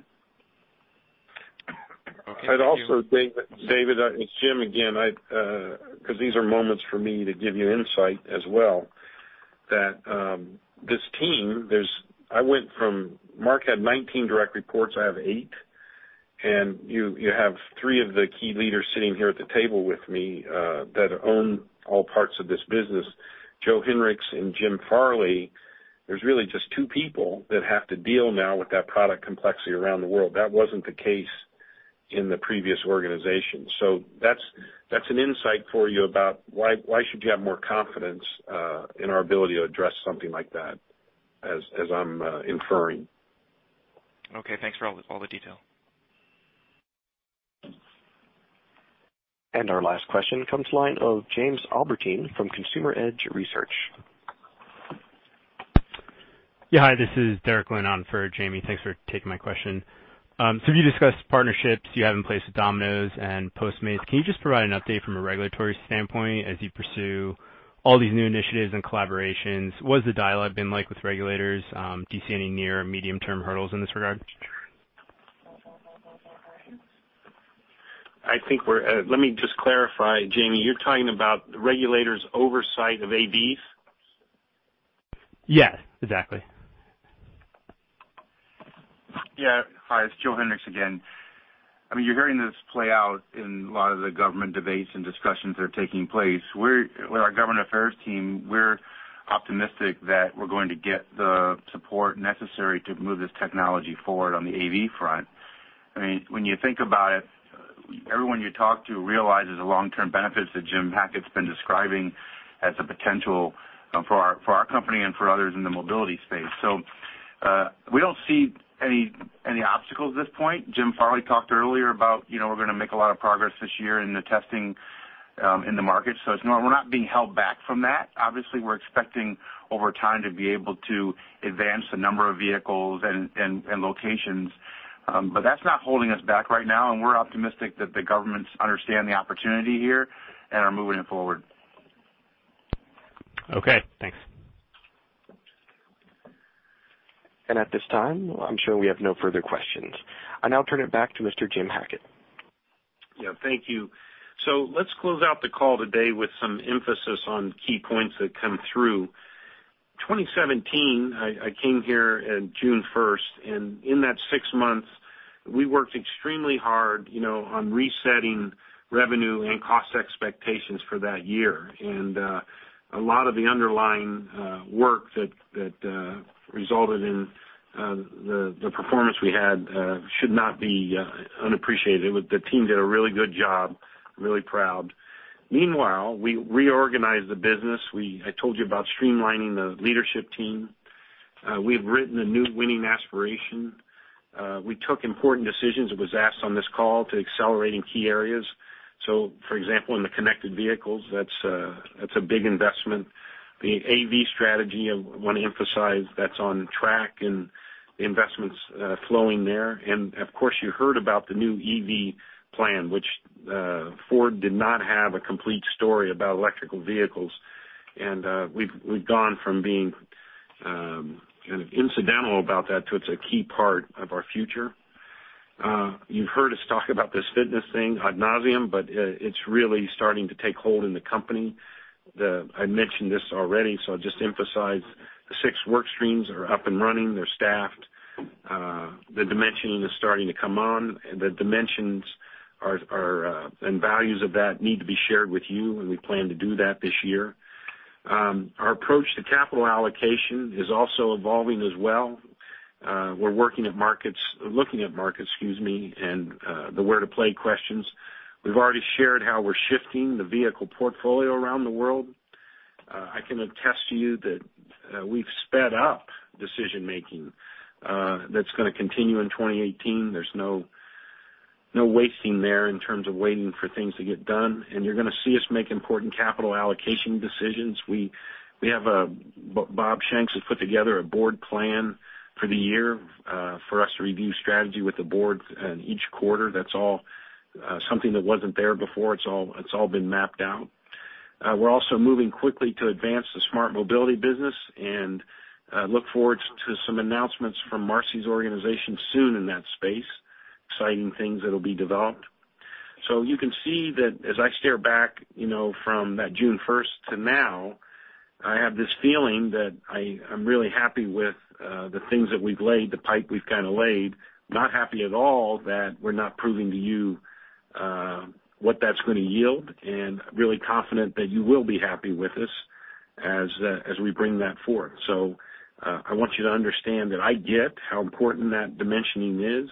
I'd also, David, it's Jim again, because these are moments for me to give you insight as well, that this team, Mark had 19 direct reports, I have eight, and you have three of the key leaders sitting here at the table with me that own all parts of this business. Joe Hinrichs and Jim Farley, there's really just two people that have to deal now with that product complexity around the world. That wasn't the case in the previous organization. That's an insight for you about why should you have more confidence in our ability to address something like that, as I'm inferring. Okay, thanks for all the detail. Our last question comes to the line of James Albertine from Consumer Edge Research. Yeah, hi, this is Derek going on for Jamie. Thanks for taking my question. You discussed partnerships you have in place with Domino's and Postmates. Can you just provide an update from a regulatory standpoint as you pursue all these new initiatives and collaborations? What has the dialogue been like with regulators? Do you see any near or medium-term hurdles in this regard? Let me just clarify, Jamie, you're talking about regulators' oversight of AVs? Yes, exactly. Yeah. Hi, it's Joe Hinrichs again. You're hearing this play out in a lot of the government debates and discussions that are taking place. With our government affairs team, we're optimistic that we're going to get the support necessary to move this technology forward on the AV front. When you think about it, everyone you talk to realizes the long-term benefits that Jim Hackett's been describing as a potential for our company and for others in the mobility space. We don't see any obstacles at this point. Jim Farley talked earlier about we're going to make a lot of progress this year in the testing in the market. We're not being held back from that. Obviously, we're expecting over time to be able to advance the number of vehicles and locations. That's not holding us back right now, and we're optimistic that the governments understand the opportunity here and are moving it forward. Okay, thanks. At this time, I'm showing we have no further questions. I now turn it back to Mr. Jim Hackett. Thank you. Let's close out the call today with some emphasis on key points that come through. 2017, I came here in June 1st, and in that 6 months, we worked extremely hard on resetting revenue and cost expectations for that year. A lot of the underlying work that resulted in the performance we had should not be unappreciated. The team did a really good job. Really proud. Meanwhile, we reorganized the business. I told you about streamlining the leadership team. We've written a new winning aspiration. We took important decisions, it was asked on this call, to accelerating key areas. For example, in the connected vehicles, that's a big investment. The AV strategy, I want to emphasize that's on track and the investment's flowing there. Of course, you heard about the new EV plan, which Ford did not have a complete story about electrical vehicles. We've gone from being kind of incidental about that to it's a key part of our future. You've heard us talk about this fitness thing ad nauseam, but it's really starting to take hold in the company. I mentioned this already, I'll just emphasize the 6 work streams are up and running. They're staffed. The dimensioning is starting to come on. The dimensions and values of that need to be shared with you, and we plan to do that this year. Our approach to capital allocation is also evolving as well. We're working at markets, looking at markets, excuse me, and the where-to-play questions. We've already shared how we're shifting the vehicle portfolio around the world. I can attest to you that we've sped up decision-making. That's gonna continue in 2018. There's no wasting there in terms of waiting for things to get done. You're gonna see us make important capital allocation decisions. Bob Shanks has put together a board plan for the year, for us to review strategy with the board in each quarter. That's all something that wasn't there before. It's all been mapped out. We're also moving quickly to advance the Ford Smart Mobility business and look forward to some announcements from Marcy's organization soon in that space. Exciting things that'll be developed. You can see that as I stare back from that June 1st to now, I have this feeling that I'm really happy with the things that we've laid, the pipe we've kinda laid. Not happy at all that we're not proving to you what that's gonna yield and really confident that you will be happy with us as we bring that forward. I want you to understand that I get how important that dimensioning is.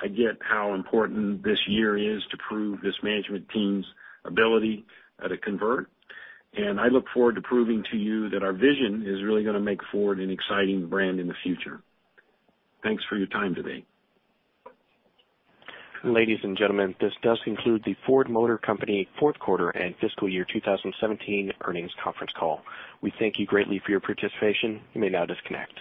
I get how important this year is to prove this management team's ability to convert, and I look forward to proving to you that our vision is really gonna make Ford an exciting brand in the future. Thanks for your time today. Ladies and gentlemen, this does conclude the Ford Motor Company fourth quarter and fiscal year 2017 earnings conference call. We thank you greatly for your participation. You may now disconnect.